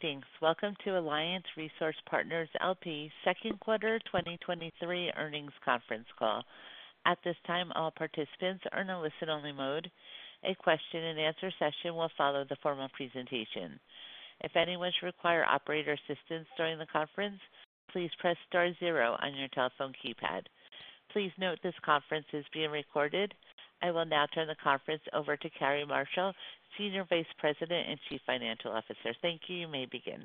Greetings. Welcome to Alliance Resource Partners, L.P. second quarter 2023 earnings conference call. At this time, all participants are in a listen-only mode. A question-and-answer session will follow the formal presentation. If anyone should require operator assistance during the conference, please press star zero on your telephone keypad. Please note this conference is being recorded. I will now turn the conference over to Cary Marshall, Senior Vice President and Chief Financial Officer. Thank you. You may begin.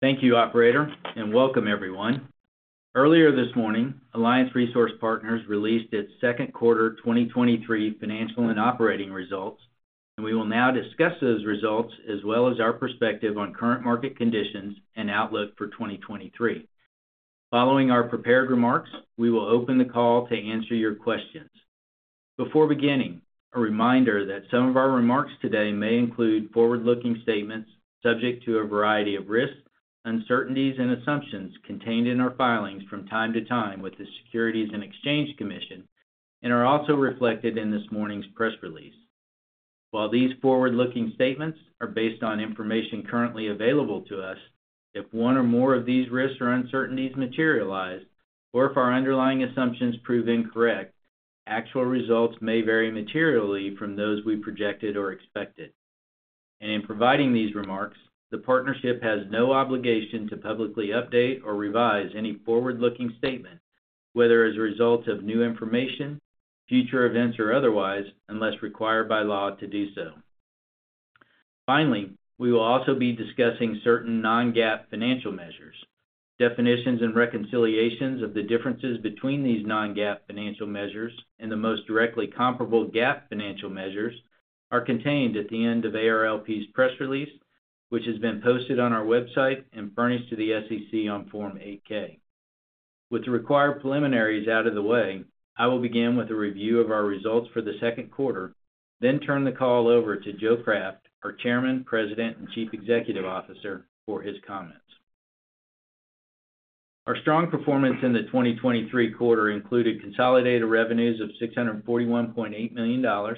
Thank you, operator, and welcome everyone. Earlier this morning, Alliance Resource Partners released its second quarter 2023 financial and operating results, and we will now discuss those results, as well as our perspective on current market conditions and outlook for 2023. Following our prepared remarks, we will open the call to answer your questions. Before beginning, a reminder that some of our remarks today may include forward-looking statements subject to a variety of risks, uncertainties, and assumptions contained in our filings from time to time with the Securities and Exchange Commission, and are also reflected in this morning's press release. While these forward-looking statements are based on information currently available to us, if one or more of these risks or uncertainties materialize, or if our underlying assumptions prove incorrect, actual results may vary materially from those we projected or expected. In providing these remarks, the partnership has no obligation to publicly update or revise any forward-looking statement, whether as a result of new information, future events, or otherwise, unless required by law to do so. Finally, we will also be discussing certain non-GAAP financial measures. Definitions and reconciliations of the differences between these non-GAAP financial measures and the most directly comparable GAAP financial measures are contained at the end of ARLP's press release, which has been posted on our website and furnished to the SEC on Form 8-K. With the required preliminaries out of the way, I will begin with a review of our results for the second quarter, then turn the call over to Joe Craft, our Chairman, President, and Chief Executive Officer, for his comments. Our strong performance in the 2023 quarter included consolidated revenues of $641.8 million,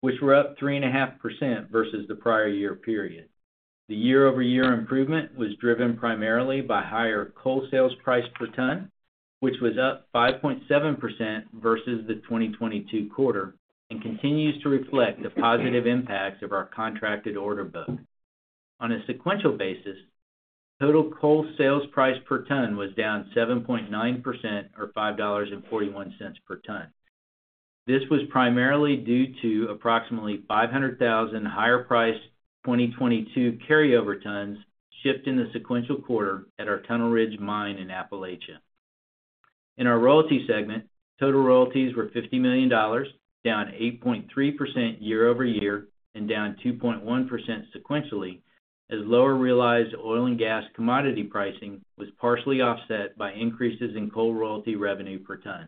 which were up 3.5% versus the prior year period. The year-over-year improvement was driven primarily by higher coal sales price per ton, which was up 5.7% versus the 2022 quarter and continues to reflect the positive impacts of our contracted order book. On a sequential basis, total coal sales price per ton was down 7.9% or $5.41 per ton. This was primarily due to approximately 500,000 higher-priced 2022 carryover tons shipped in the sequential quarter at our Tunnel Ridge Mine in Appalachian. In our royalty segment, total royalties were $50 million, down 8.3% year-over-year and down 2.1% sequentially, as lower realized oil and gas commodity pricing was partially offset by increases in coal royalty revenue per ton.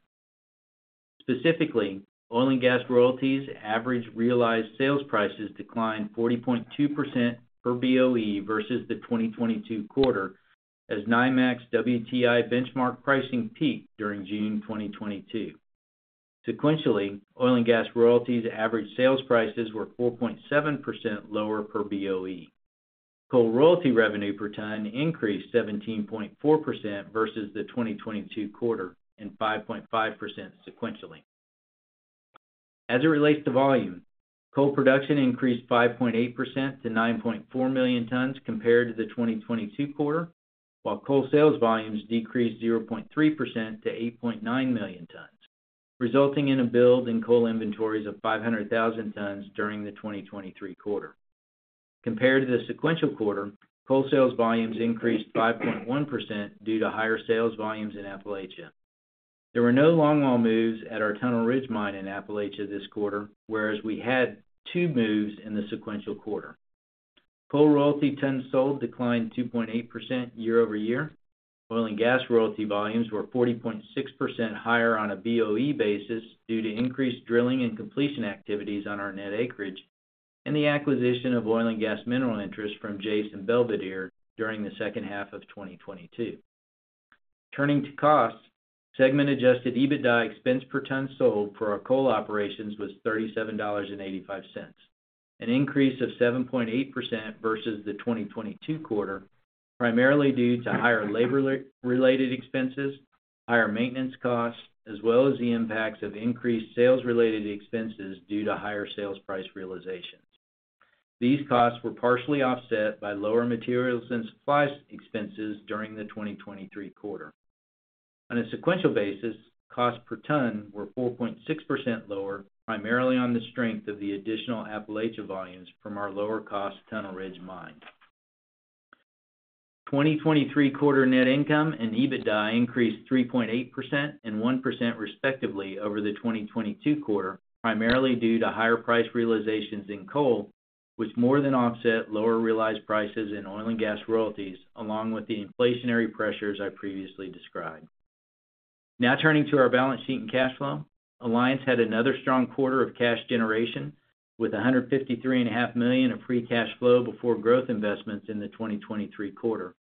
Specifically, oil and gas royalties average realized sales prices declined 40.2% per BOE versus the 2022 quarter, as NYMEX WTI benchmark pricing peaked during June 2022. Sequentially, oil and gas royalties average sales prices were 4.7% lower per BOE. Coal royalty revenue per ton increased 17.4% versus the 2022 quarter and 5.5% sequentially. As it relates to volume, coal production increased 5.8% to 9.4 million tons compared to the 2022 quarter, while coal sales volumes decreased 0.3% to 8.9 million tons, resulting in a build in coal inventories of 500,000 tons during the 2023 quarter. Compared to the sequential quarter, coal sales volumes increased 5.1% due to higher sales volumes in Appalachian. There were no longwall moves at our Tunnel Ridge Mine in Appalachian this quarter, whereas we had two moves in the sequential quarter. Coal royalty tons sold declined 2.8% year-over-year. Oil and gas royalty volumes were 40.6% higher on a BOE basis due to increased drilling and completion activities on our net acreage and the acquisition of oil and gas mineral interests from Jase and Belvedere during the second half of 2022. Turning to costs, segment adjusted EBITDA expense per ton sold for our coal operations was $37.85, an increase of 7.8% versus the 2022 quarter, primarily due to higher labor-re-related expenses, higher maintenance costs, as well as the impacts of increased sales-related expenses due to higher sales price realizations. These costs were partially offset by lower materials and supplies expenses during the 2023 quarter. On a sequential basis, costs per ton were 4.6% lower, primarily on the strength of the additional Appalachian volumes from our lower-cost Tunnel Ridge Mine. 2023 quarter net income and EBITDA increased 3.8% and 1%, respectively, over the 2022 quarter, primarily due to higher price realizations in coal, which more than offset lower realized prices in oil and gas royalties, along with the inflationary pressures I previously described. Now turning to our balance sheet and cash flow. Alliance had another strong quarter of cash generation with $153.5 million of free cash flow before growth investments in the 2023 quarter,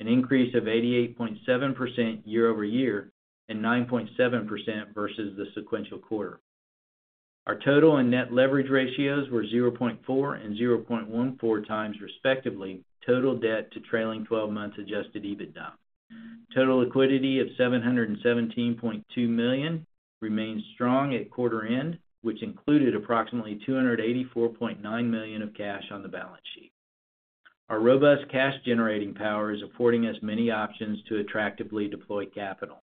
an increase of 88.7% year-over-year and 9.7% versus the sequential quarter. Our total and net leverage ratios were 0.4 and 0.14 times, respectively, total debt to trailing 12 months adjusted EBITDA. Total liquidity of $717.2 million remains strong at quarter end, which included approximately $284.9 million of cash on the balance sheet. Our robust cash-generating power is affording us many options to attractively deploy capital.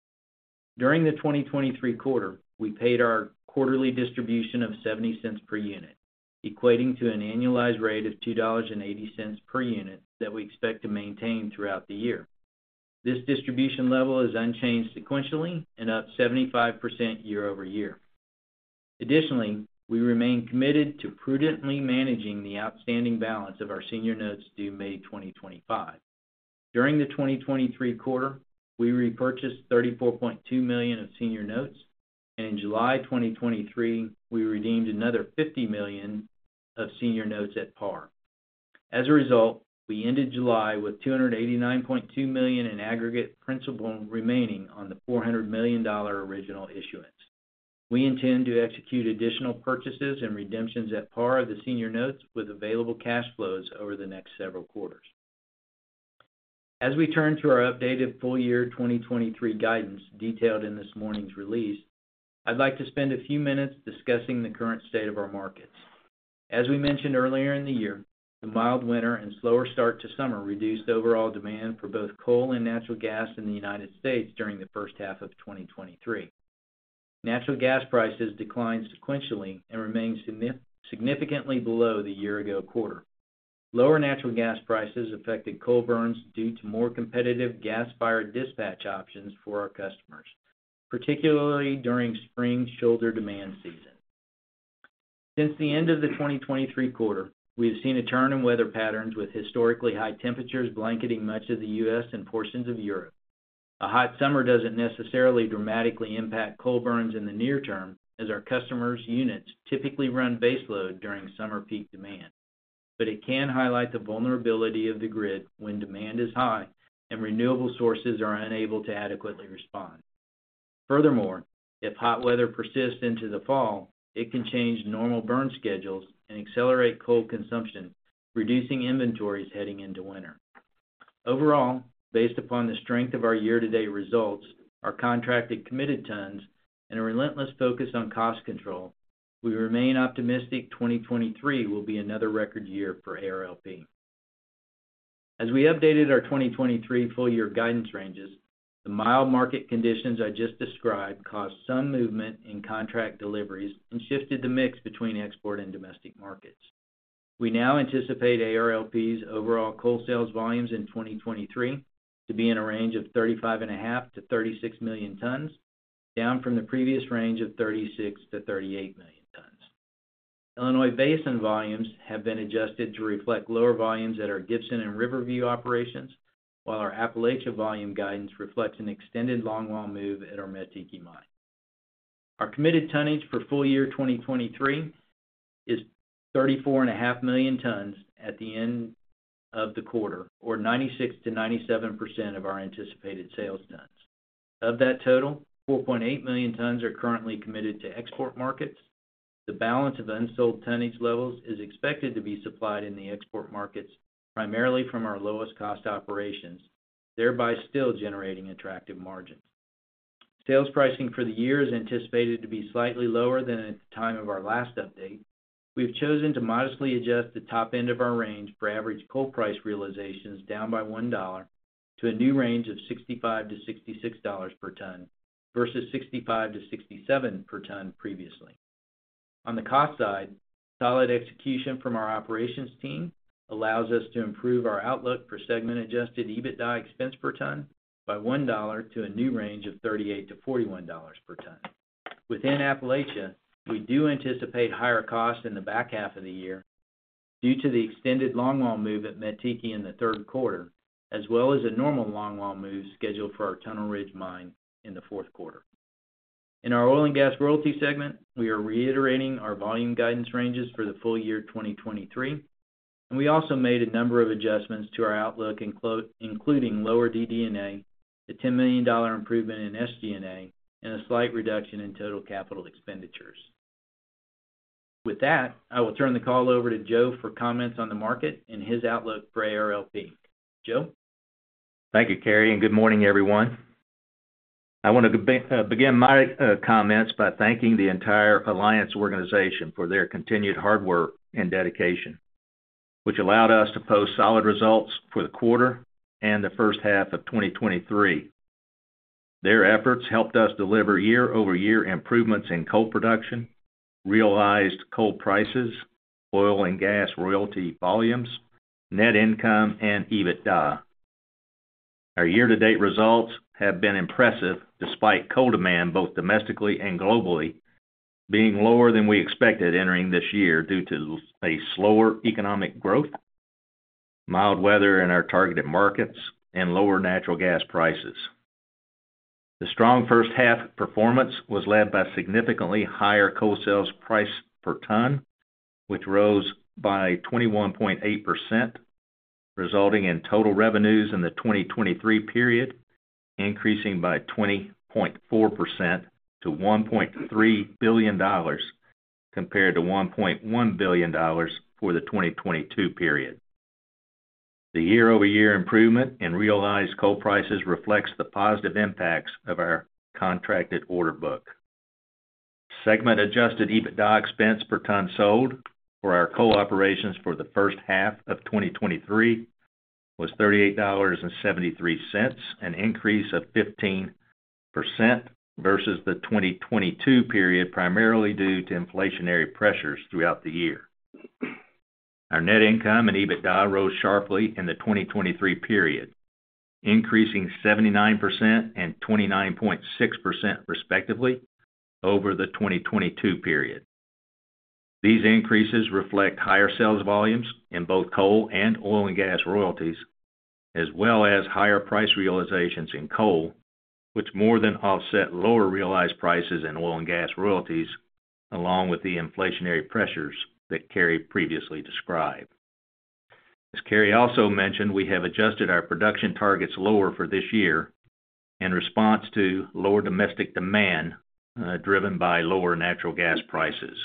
During the 2023 quarter, we paid our quarterly distribution of $0.70 per unit, equating to an annualized rate of $2.80 per unit that we expect to maintain throughout the year. This distribution level is unchanged sequentially and up 75% year-over-year. Additionally, we remain committed to prudently managing the outstanding balance of our senior notes due May 2025. During the 2023 quarter, we repurchased $34.2 million of senior notes, and in July 2023, we redeemed another $50 million of senior notes at par. As a result, we ended July with $289.2 million in aggregate principal remaining on the $400 million original issuance. We intend to execute additional purchases and redemptions at par of the senior notes with available cash flows over the next several quarters. As we turn to our updated full year 2023 guidance detailed in this morning's release, I'd like to spend a few minutes discussing the current state of our markets. As we mentioned earlier in the year, the mild winter and slower start to summer reduced overall demand for both coal and natural gas in the United States during the first half of 2023. Natural gas prices declined sequentially and remain significantly below the year ago quarter. Lower natural gas prices affected coal burns due to more competitive gas-fired dispatch options for our customers, particularly during spring shoulder demand season. Since the end of the 2023 quarter, we have seen a turn in weather patterns, with historically high temperatures blanketing much of the U.S. and portions of Europe. A hot summer doesn't necessarily dramatically impact coal burns in the near term, as our customers' units typically run baseload during summer peak demand. It can highlight the vulnerability of the grid when demand is high and renewable sources are unable to adequately respond. Furthermore, if hot weather persists into the fall, it can change normal burn schedules and accelerate coal consumption, reducing inventories heading into winter. Overall, based upon the strength of our year-to-date results, our contracted committed tons, and a relentless focus on cost control, we remain optimistic 2023 will be another record year for ARLP. As we updated our 2023 full year guidance ranges, the mild market conditions I just described caused some movement in contract deliveries and shifted the mix between export and domestic markets. We now anticipate ARLP's overall coal sales volumes in 2023 to be in a range of 35.5 million-36 million tons, down from the previous range of 36 million-38 million tons. Illinois Basin volumes have been adjusted to reflect lower volumes at our Gibson and River View operations, while our Appalachian volume guidance reflects an extended longwall move at our Mettiki Mine. Our committed tonnage for full year 2023 is 34.5 million tons at the end of the quarter, or 96%-97% of our anticipated sales tons. Of that total, 4.8 million tons are currently committed to export markets. The balance of unsold tonnage levels is expected to be supplied in the export markets, primarily from our lowest cost operations, thereby still generating attractive margins. Sales pricing for the year is anticipated to be slightly lower than at the time of our last update. We've chosen to modestly adjust the top end of our range for average coal price realizations down by $1, to a new range of $65-$66 per ton, versus $65-$67 per ton previously. On the cost side, solid execution from our operations team allows us to improve our outlook for segment adjusted EBITDA expense per ton by $1 to a new range of $38-$41 per ton. Within Appalachian, we do anticipate higher costs in the back half of the year due to the extended longwall move at Mettiki in the third quarter, as well as a normal longwall move scheduled for our Tunnel Ridge Mine in the fourth quarter. In our oil and gas royalty segment, we are reiterating our volume guidance ranges for the full year 2023. We also made a number of adjustments to our outlook, including lower DD&A, a $10 million improvement in SG&A, and a slight reduction in total capital expenditures. With that, I will turn the call over to Joe for comments on the market and his outlook for ARLP. Joe? Thank you, Cary, good morning, everyone. I want to begin my comments by thanking the entire Alliance organization for their continued hard work and dedication, which allowed us to post solid results for the quarter and the first half of 2023. Their efforts helped us deliver year-over-year improvements in coal production, realized coal prices, oil and gas royalty volumes, net income, and EBITDA. Our year-to-date results have been impressive despite coal demand, both domestically and globally, being lower than we expected entering this year due to a slower economic growth, mild weather in our targeted markets, and lower natural gas prices. The strong first half performance was led by significantly higher coal sales price per ton, which rose by 21.8%, resulting in total revenues in the 2023 period, increasing by 20.4% to $1.3 billion compared to $1.1 billion for the 2022 period. The year-over-year improvement in realized coal prices reflects the positive impacts of our contracted order book. Segment adjusted EBITDA expense per ton sold for our coal operations for the first half of 2023 was $38.73, an increase of 15% versus the 2022 period, primarily due to inflationary pressures throughout the year. Our net income and EBITDA rose sharply in the 2023 period, increasing 79% and 29.6% respectively, over the 2022 period. These increases reflect higher sales volumes in both coal and oil and gas royalties, as well as higher price realizations in coal, which more than offset lower realized prices in oil and gas royalties, along with the inflationary pressures that Cary previously described. As Cary also mentioned, we have adjusted our production targets lower for this year in response to lower domestic demand, driven by lower natural gas prices.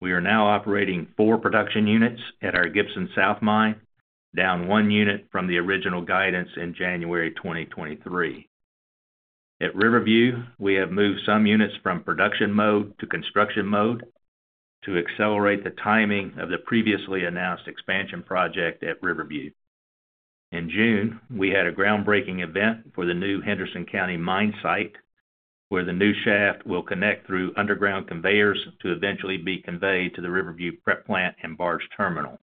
We are now operating 4 production units at our Gibson South mine, down 1 unit from the original guidance in January 2023. At River View, we have moved some units from production mode to construction mode to accelerate the timing of the previously announced expansion project at River View. In June, we had a groundbreaking event for the new Henderson County Mine site, where the new shaft will connect through underground conveyors to eventually be conveyed to the River View prep plant and barge terminal.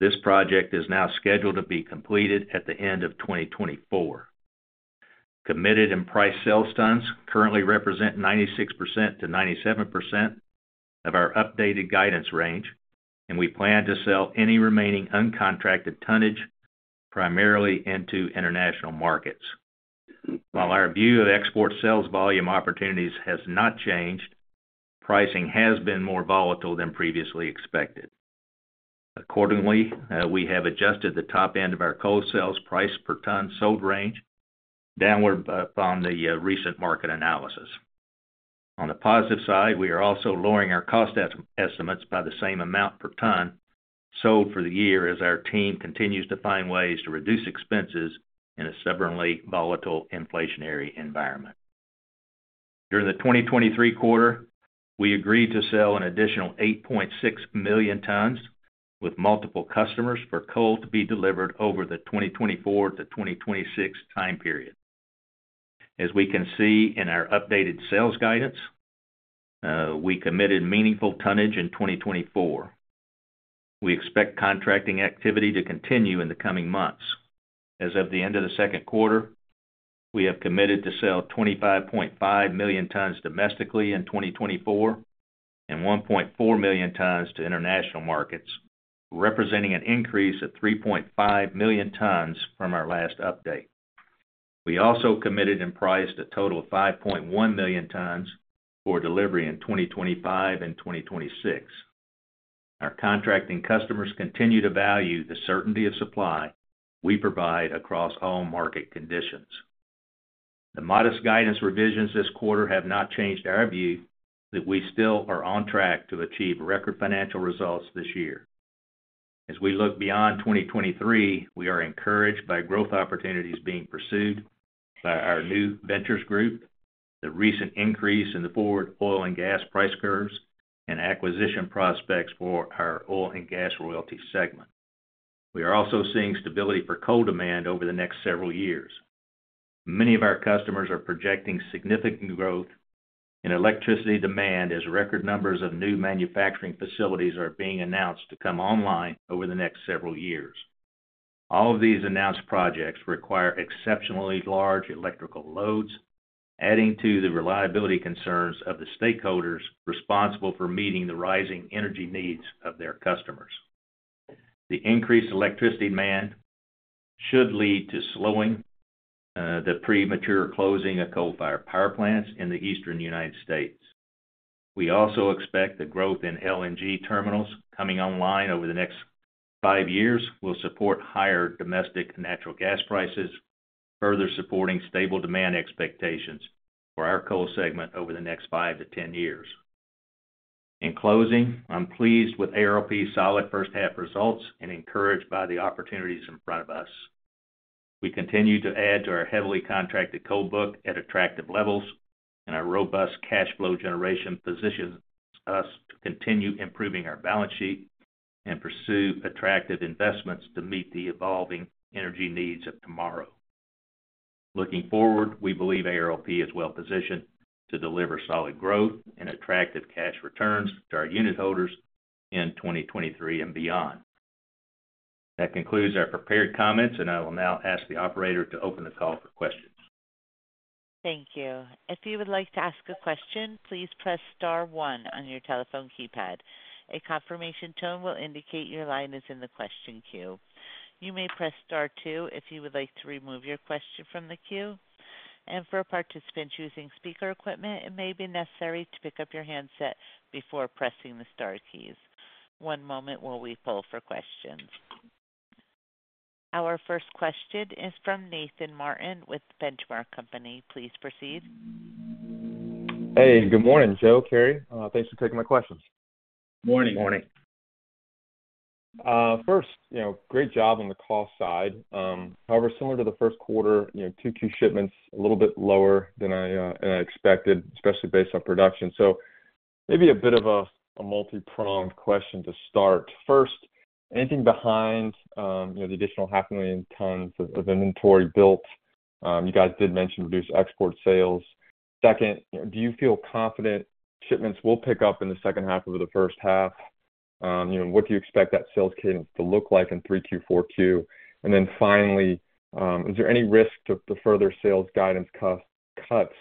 This project is now scheduled to be completed at the end of 2024. Committed and priced sales tons currently represent 96% to 97% of our updated guidance range, and we plan to sell any remaining uncontracted tonnage primarily into international markets. While our view of export sales volume opportunities has not changed, pricing has been more volatile than previously expected. Accordingly, we have adjusted the top end of our coal sales price per ton sold range downward on the recent market analysis. On the positive side, we are also lowering our cost estimates by the same amount per ton sold for the year as our team continues to find ways to reduce expenses in a stubbornly volatile inflationary environment. During the 2023 quarter, we agreed to sell an additional 8.6 million tons with multiple customers for coal to be delivered over the 2024-2026 time period. As we can see in our updated sales guidance, we committed meaningful tonnage in 2024. We expect contracting activity to continue in the coming months. As of the end of the second quarter, we have committed to sell 25.5 million tons domestically in 2024 and 1.4 million tons to international markets, representing an increase of 3.5 million tons from our last update. We also committed and priced a total of 5.1 million tons for delivery in 2025 and 2026. Our contracting customers continue to value the certainty of supply we provide across all market conditions. The modest guidance revisions this quarter have not changed our view that we still are on track to achieve record financial results this year. As we look beyond 2023, we are encouraged by growth opportunities being pursued by our new ventures team, the recent increase in the forward oil and gas price curves, and acquisition prospects for our oil and gas royalty segment. We are also seeing stability for coal demand over the next several years. Many of our customers are projecting significant growth in electricity demand as record numbers of new manufacturing facilities are being announced to come online over the next several years. All of these announced projects require exceptionally large electrical loads, adding to the reliability concerns of the stakeholders responsible for meeting the rising energy needs of their customers. The increased electricity demand should lead to slowing the premature closing of coal-fired power plants in the eastern United States. We also expect the growth in LNG terminals coming online over the next 5 years will support higher domestic natural gas prices, further supporting stable demand expectations for our coal segment over the next 5-10 years. In closing, I'm pleased with ARLP's solid first half results and encouraged by the opportunities in front of us. We continue to add to our heavily contracted coal book at attractive levels, and our robust cash flow generation positions us to continue improving our balance sheet and pursue attractive investments to meet the evolving energy needs of tomorrow. Looking forward, we believe ARLP is well positioned to deliver solid growth and attractive cash returns to our unit holders in 2023 and beyond. That concludes our prepared comments. I will now ask the operator to open the call for questions. Thank you. If you would like to ask a question, please press star one on your telephone keypad. A confirmation tone will indicate your line is in the question queue. You may press Star two if you would like to remove your question from the queue. For a participant choosing speaker equipment, it may be necessary to pick up your handset before pressing the star keys. One moment while we pull for questions. Our first question is from Nathan Martin with Benchmark Company. Please proceed. Hey, good morning, Joe, Cary. Thanks for taking my questions. Morning. Morning. First, you know, great job on the cost side. However, similar to the first quarter, you know, two key shipments, a little bit lower than I than I expected, especially based on production. Maybe a bit of a, a multipronged question to start. First, anything behind, you know, the additional 500,000 tons of, of inventory built? You guys did mention reduced export sales. Second, do you feel confident shipments will pick up in the second half of the first half? You know, what do you expect that sales cadence to look like in 3Q, 4Q? Finally, is there any risk to the further sales guidance cuts,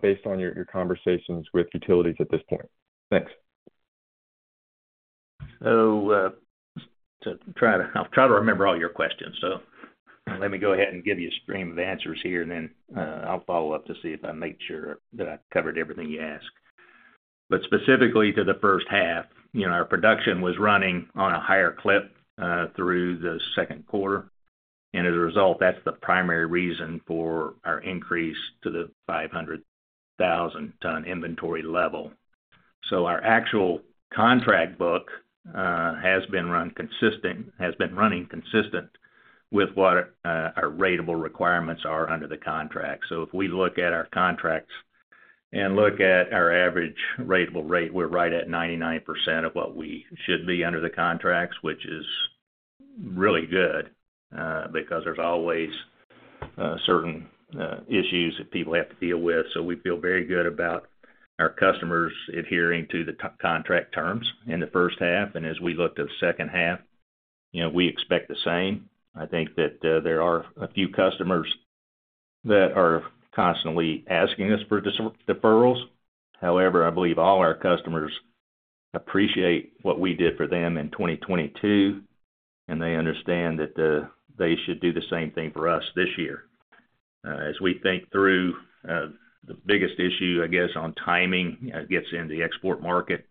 based on your, your conversations with utilities at this point? Thanks. I'll try to remember all your questions. Let me go ahead and give you a stream of answers here, and then I'll follow up to see if I made sure that I covered everything you asked. Specifically to the first half, you know, our production was running on a higher clip through the second quarter, and as a result, that's the primary reason for our increase to the 500,000 ton inventory level. Our actual contract book has been running consistent with what our ratable requirements are under the contract. If we look at our contracts and look at our average ratable rate, we're right at 99% of what we should be under the contracts, which is really good, because there's always certain issues that people have to deal with. We feel very good about our customers adhering to the contract terms in the first half, and as we look to the second half, you know, we expect the same. I think that there are a few customers that are constantly asking us for deferrals. However, I believe all our customers appreciate what we did for them in 2022, and they understand that they should do the same thing for us this year. As we think through, the biggest issue, I guess, on timing, gets in the export market,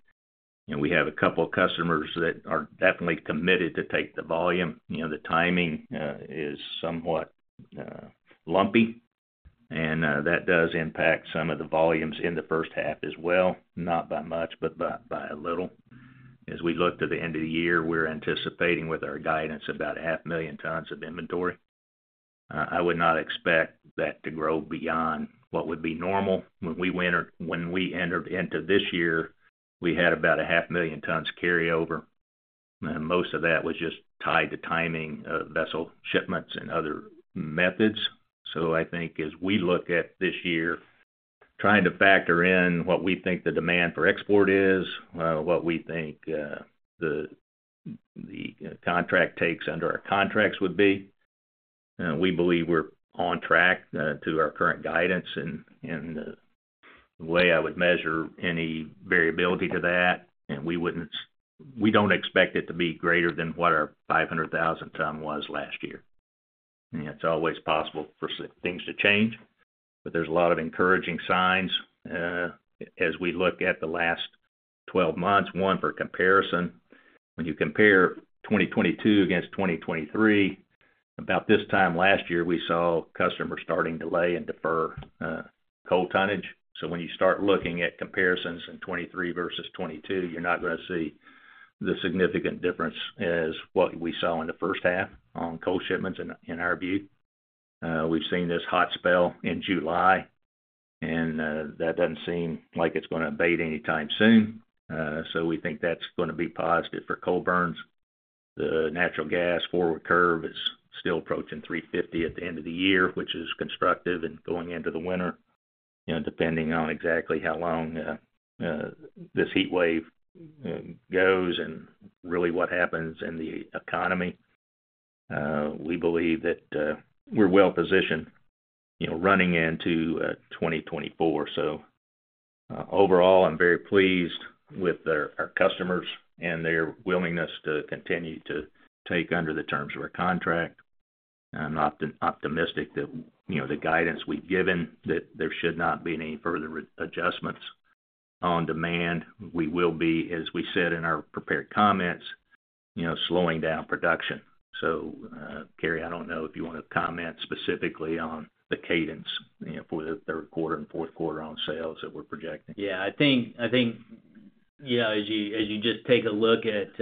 we have a couple of customers that are definitely committed to take the volume. You know, the timing is somewhat lumpy, that does impact some of the volumes in the first half as well, not by much, but by a little. As we look to the end of the year, we're anticipating with our guidance, about a half million tons of inventory. I would not expect that to grow beyond what would be normal. When we entered into this year, we had about a half million tons carryover, most of that was just tied to timing, vessel shipments and other methods. I think as we look at this year, trying to factor in what we think the demand for export is, what we think the contract takes under our contracts would be. We believe we're on track to our current guidance, and the way I would measure any variability to that, we don't expect it to be greater than what our 500,000 tons was last year. It's always possible for things to change, but there's a lot of encouraging signs as we look at the last 12 months, one for comparison. When you compare 2022 against 2023, about this time last year, we saw customers starting to lay and defer coal tonnage. When you start looking at comparisons in 2023 versus 2022, you're not going to see the significant difference as what we saw in the first half on coal shipments in, in our view. We've seen this hot spell in July, and that doesn't seem like it's going to abate anytime soon, so we think that's going to be positive for coal burns. The natural gas forward curve is still approaching $3.50 at the end of the year, which is constructive and going into the winter, you know, depending on exactly how long this heat wave goes and really what happens in the economy. We believe that we're well positioned, you know, running into 2024. Overall, I'm very pleased with our, our customers and their willingness to continue to take under the terms of our contract. I'm optimistic that, you know, the guidance we've given, that there should not be any further adjustments. On demand, we will be, as we said in our prepared comments, you know, slowing down production. So, Cary, I don't know if you want to comment specifically on the cadence, you know, for the third quarter and fourth quarter on sales that we're projecting. Yeah, I think, I think, yeah, as you, as you just take a look at,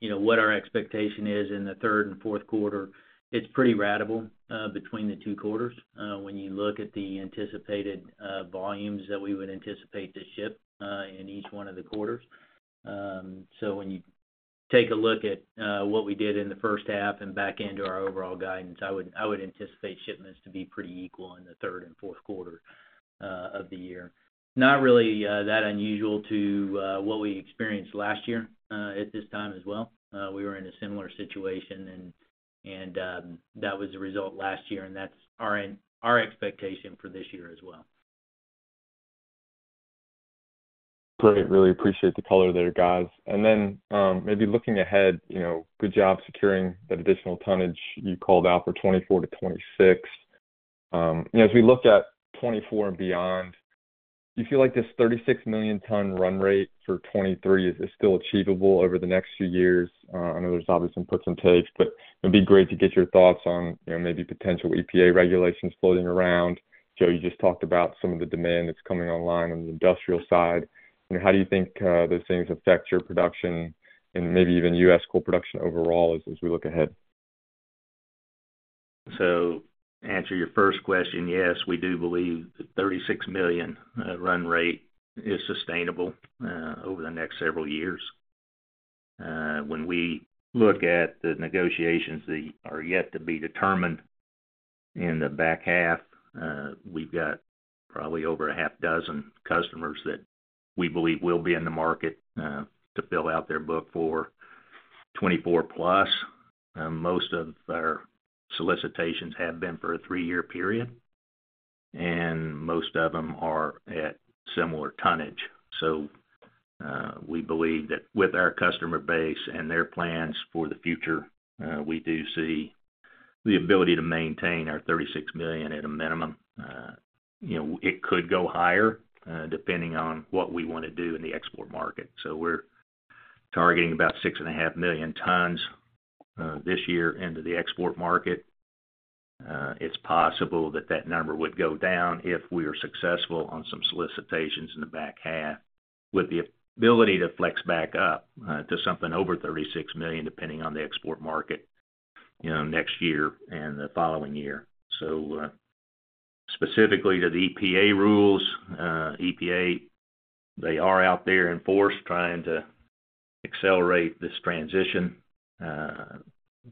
you know, what our expectation is in the third and fourth quarter, it's pretty ratable between the two quarters, when you look at the anticipated volumes that we would anticipate to ship in each one of the quarters. When you take a look at what we did in the first half and back into our overall guidance, I would, I would anticipate shipments to be pretty equal in the third and fourth quarter of the year. Not really that unusual to what we experienced last year at this time as well. We were in a similar situation and that was the result last year, and that's our in-- our expectation for this year as well.... Great, really appreciate the color there, guys. And then, maybe looking ahead, you know, good job securing that additional tonnage you called out for 2024-2026. You know, as we look at 2024 and beyond, do you feel like this 36 million ton run rate for 2023 is, is still achievable over the next few years? I know there's obviously some puts and takes, but it'd be great to get your thoughts on, you know, maybe potential EPA regulations floating around. Joe, you just talked about some of the demand that's coming online on the industrial side. You know, how do you think those things affect your production and maybe even US coal production overall as, as we look ahead? To answer your first question: Yes, we do believe the 36 million ton run rate is sustainable over the next several years. When we look at the negotiations that are yet to be determined in the back half, we've got probably over a half dozen customers that we believe will be in the market to fill out their book for 2024 plus. Most of our solicitations have been for a 3-year period, and most of them are at similar tonnage. We believe that with our customer base and their plans for the future, we do see the ability to maintain our 36 million at a minimum. You know, it could go higher, depending on what we want to do in the export market. We're targeting about 6.5 million tons this year into the export market. It's possible that that number would go down if we are successful on some solicitations in the back half, with the ability to flex back up to something over 36 million, depending on the export market, you know, next year and the following year. Specifically to the EPA rules, EPA, they are out there in force trying to accelerate this transition.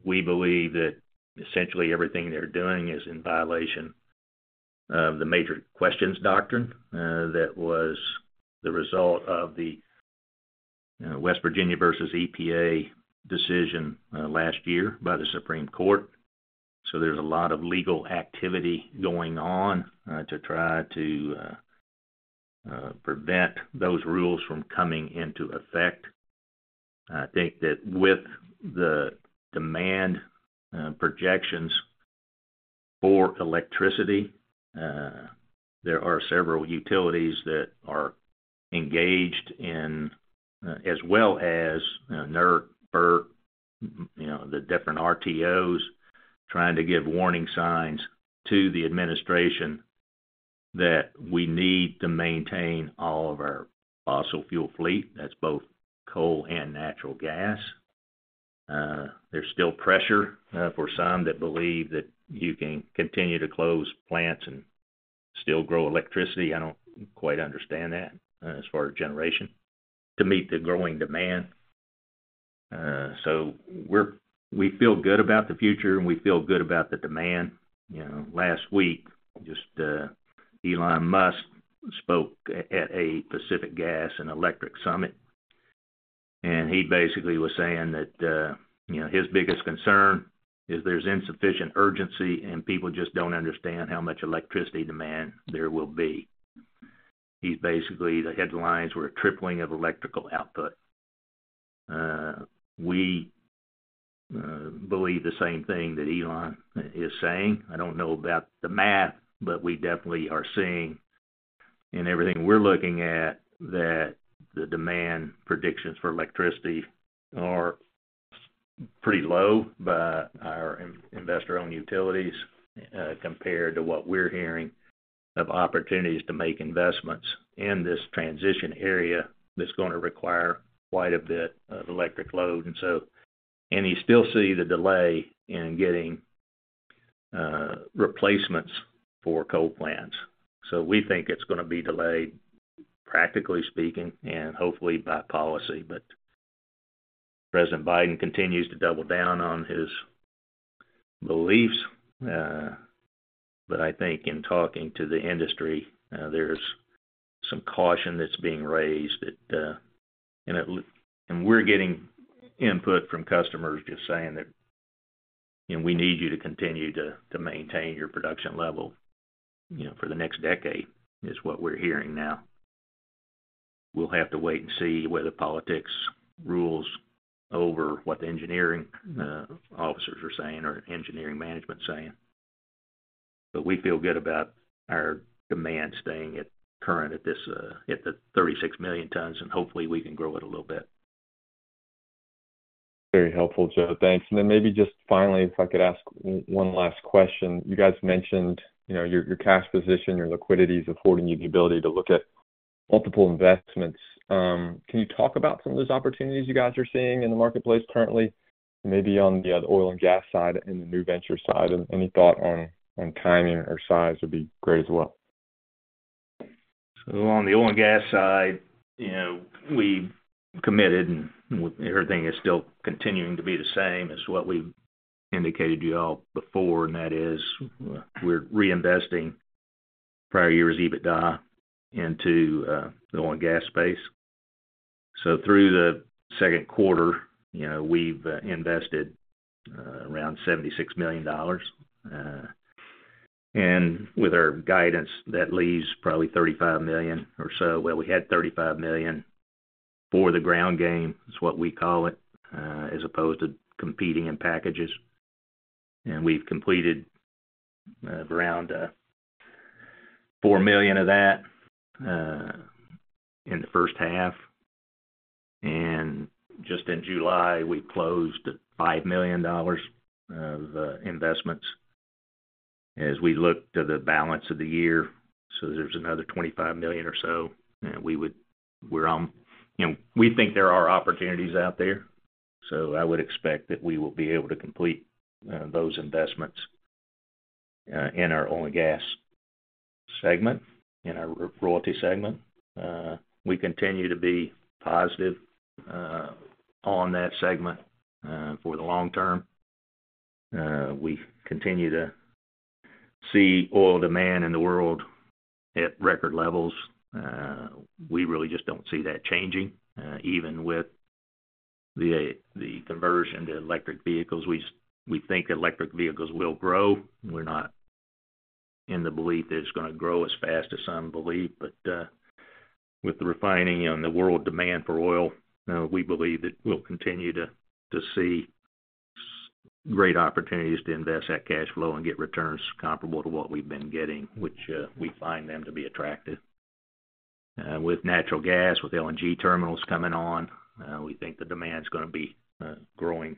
We believe that essentially everything they're doing is in violation of the major questions doctrine, that was the result of the West Virginia v. EPA decision last year by the Supreme Court. There's a lot of legal activity going on to try to prevent those rules from coming into effect. I think that with the demand, projections for electricity, there are several utilities that are engaged in, as well as NERC, FERC, you know, the different RTOs, trying to give warning signs to the administration that we need to maintain all of our fossil fuel fleet. That's both coal and natural gas. There's still pressure, for some that believe that you can continue to close plants and still grow electricity. I don't quite understand that, as far as generation, to meet the growing demand. We feel good about the future, and we feel good about the demand. You know, last week, just, Elon Musk spoke at, at a Pacific Gas and Electric summit, and he basically was saying that, you know, his biggest concern is there's insufficient urgency, and people just don't understand how much electricity demand there will be. He's, the headlines were a tripling of electrical output. We believe the same thing that Elon is saying. I don't know about the math, we definitely are seeing in everything we're looking at, that the demand predictions for electricity are pretty low by our investor-owned utilities, compared to what we're hearing of opportunities to make investments in this transition area. That's going to require quite a bit of electric load. You still see the delay in getting replacements for coal plants. We think it's gonna be delayed, practically speaking, and hopefully by policy. President Biden continues to double down on his beliefs. I think in talking to the industry, there's some caution that's being raised that... We're getting input from customers just saying that, "We need you to continue to, to maintain your production level, you know, for the next decade," is what we're hearing now. We'll have to wait and see whether politics rules over what the engineering officers are saying or engineering management is saying. We feel good about our demand staying at current at this, at the 36 million tons, and hopefully, we can grow it a little bit. Very helpful, Joe. Thanks. Then maybe just finally, if I could ask one last question. You guys mentioned, you know, your, your cash position, your liquidity is affording you the ability to look at multiple investments. Can you talk about some of those opportunities you guys are seeing in the marketplace currently? Maybe on the oil and gas side and the new venture side. Any thought on, on timing or size would be great as well. On the oil and gas side, you know, we committed and everything is still continuing to be the same as what we've indicated to you all before, and that is, we're reinvesting prior years' EBITDA into the oil and gas space. Through the second quarter, you know, we've invested around $76 million. With our guidance, that leaves probably $35 million or so. Well, we had $35 million for the ground game, is what we call it, as opposed to competing in packages. We've completed around $4 million of that in the first half. Just in July, we closed $5 million of investments as we look to the balance of the year. There's another $25 million or so. We're on. You know, we think there are opportunities out there, so I would expect that we will be able to complete those investments in our oil and gas segment, in our royalty segment. We continue to be positive on that segment for the long term. We continue to see oil demand in the world at record levels. We really just don't see that changing even with the conversion to electric vehicles. We think electric vehicles will grow. We're not in the belief that it's gonna grow as fast as some believe. With the refining and the world demand for oil, we believe that we'll continue to, to see great opportunities to invest that cash flow and get returns comparable to what we've been getting, which, we find them to be attractive. With natural gas, with LNG terminals coming on, we think the demand is gonna be growing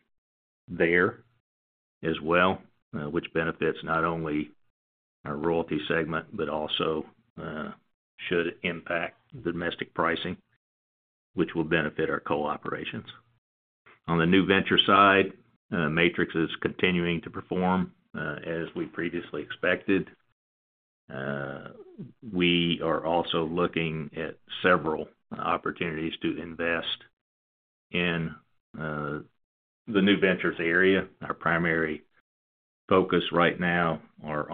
there as well, which benefits not only our royalty segment, but also, should impact domestic pricing, which will benefit our coal operations. On the new venture side, Matrix is continuing to perform as we previously expected. We are also looking at several opportunities to invest in the new ventures area. Our primary focus right now are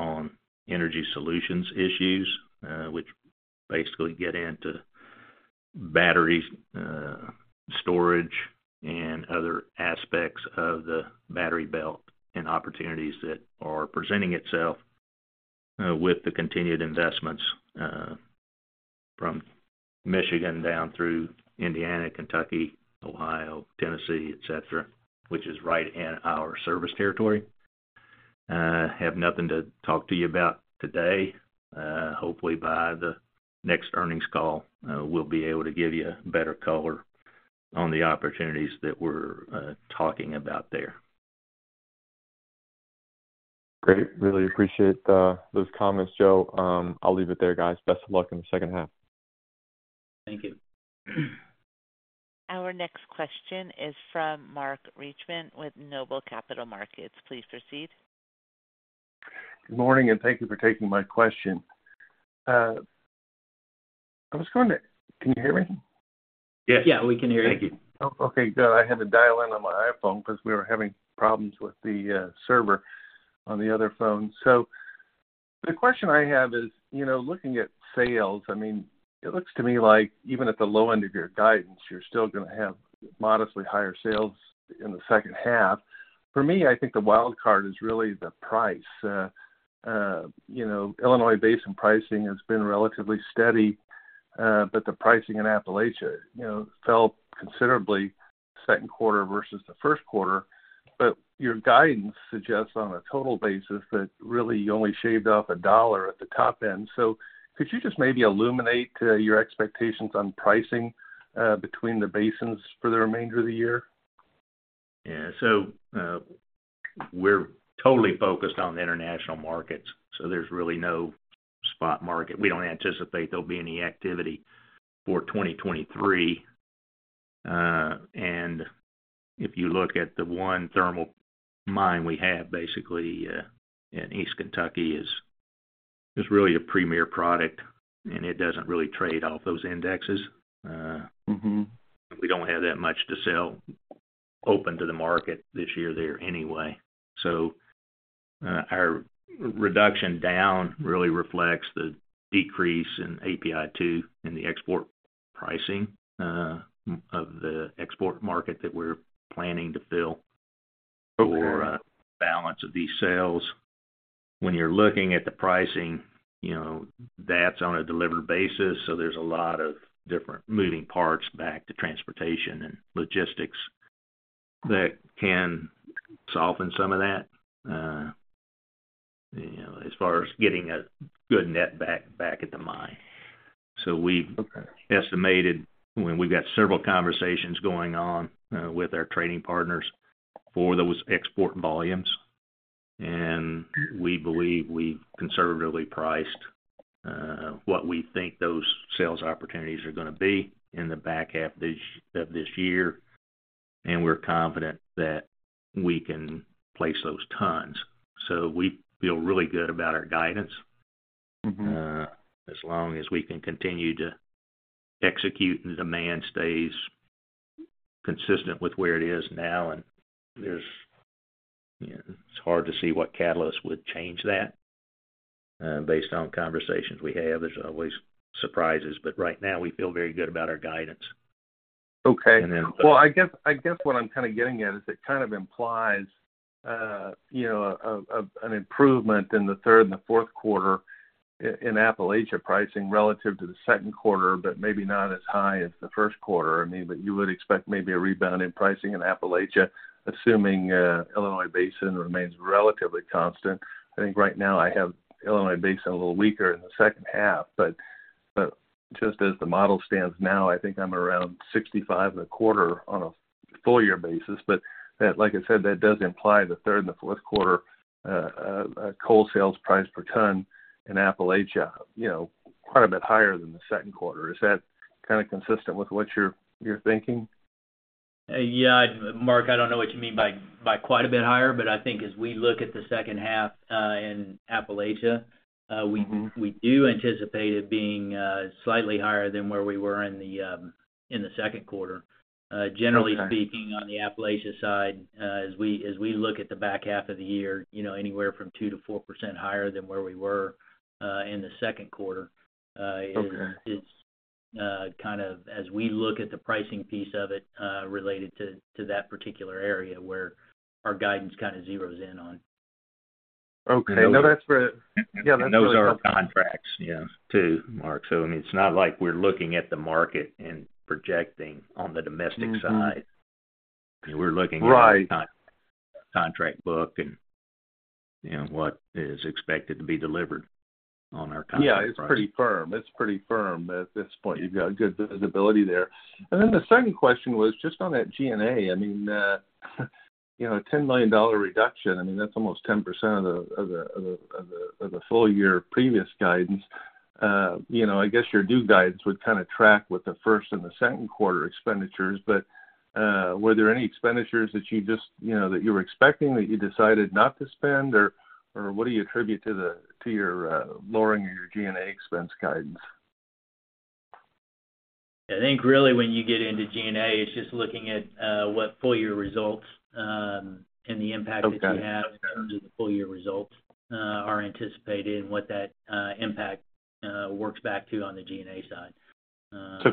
on energy solutions issues, which basically get into battery storage and other aspects of the Battery Belt, and opportunities that are presenting itself with the continued investments from Michigan down through Indiana, Kentucky, Ohio, Tennessee, et cetera, which is right in our service territory. I have nothing to talk to you about today. Hopefully, by the next earnings call, we'll be able to give you a better color on the opportunities that we're talking about there. Great. Really appreciate those comments, Joe. I'll leave it there, guys. Best of luck in the second half. Thank you. Our next question is from Mark Reichman with Noble Capital Markets. Please proceed. Good morning. Thank you for taking my question. Can you hear me? Yes. Yeah, we can hear you. Thank you. Oh, okay, good. I had to dial in on my iPhone because we were having problems with the server on the other phone. The question I have is, you know, looking at sales, I mean, it looks to me like even at the low end of your guidance, you're still gonna have modestly higher sales in the second half. For me, I think the wild card is really the price. you know, Illinois Basin pricing has been relatively steady, but the pricing in Appalachian, you know, fell considerably second quarter versus the first quarter. Your guidance suggests, on a total basis, that really you only shaved off $1 at the top end. Could you just maybe illuminate your expectations on pricing between the basins for the remainder of the year? Yeah. We're totally focused on the international markets, so there's really no spot market. We don't anticipate there'll be any activity for 2023. If you look at the 1 thermal mine we have, basically, in East Kentucky, is, it's really a premier product, and it doesn't really trade off those indexes. Mm-hmm. We don't have that much to sell open to the market this year there anyway. Our reduction down really reflects the decrease in API 2, in the export pricing, of the export market that we're planning to fill- Okay... for, balance of these sales. When you're looking at the pricing, you know, that's on a delivered basis, so there's a lot of different moving parts back to transportation and logistics that can soften some of that, you know, as far as getting a good net back, back at the mine. Okay. We've estimated, and we've got several conversations going on, with our trading partners for those export volumes, and we believe we've conservatively priced, what we think those sales opportunities are gonna be in the back half of this, of this year, and we're confident that we can place those tons. We feel really good about our guidance. Mm-hmm... as long as we can continue to execute, and demand stays consistent with where it is now. There's, you know, it's hard to see what catalyst would change that, based on conversations we have. There's always surprises, but right now, we feel very good about our guidance. Okay. Well, I guess, I guess what I'm kind of getting at is it kind of implies, you know, an improvement in the 3rd and the 4th quarter in Appalachian pricing relative to the second quarter, but maybe not as high as the 1st quarter. I mean, but you would expect maybe a rebound in pricing in Appalachian, assuming Illinois Basin remains relatively constant. I think right now I have Illinois Basin a little weaker in the second half, but, but just as the model stands now, I think I'm around 65.25 on a full year basis. But that, like I said, that does imply the 3rd and the 4th quarter coal sales price per ton in Appalachian, you know, quite a bit higher than the second quarter. Is that kind of consistent with what you're, you're thinking? Yeah, Mark, I don't know what you mean by, by quite a bit higher, but I think as we look at the second half, in Appalachian. Mm-hmm we, we do anticipate it being slightly higher than where we were in the second quarter. Okay. Generally speaking, on the Appalachian side, as we, as we look at the back half of the year, you know, anywhere from 2% to 4% higher than where we were, in the second quarter. Okay ...is, kind of as we look at the pricing piece of it, related to, to that particular area where our guidance kind of zeros in on. Okay. No, that's where-- Yeah, that's really- Those are our contracts, yeah, too, Mark. I mean, it's not like we're looking at the market and projecting on the domestic side. Mm-hmm. We're looking- Right... at contract book and what is expected to be delivered on our contract. Yeah, it's pretty firm. It's pretty firm at this point. You've got good visibility there. The second question was just on that G&A. I mean, you know, a $10 million reduction, I mean, that's almost 10% of the, of the, of the, of the full year previous guidance. You know, I guess your due guidance would kind of track with the first and the second quarter expenditures, were there any expenditures that you just, you know, that you were expecting, that you decided not to spend? What do you attribute to the, to your, lowering of your G&A expense guidance? I think really when you get into G&A, it's just looking at, what full year results, and the impact- Okay that you have in terms of the full year results, are anticipated, and what that, impact, works back to on the G&A side.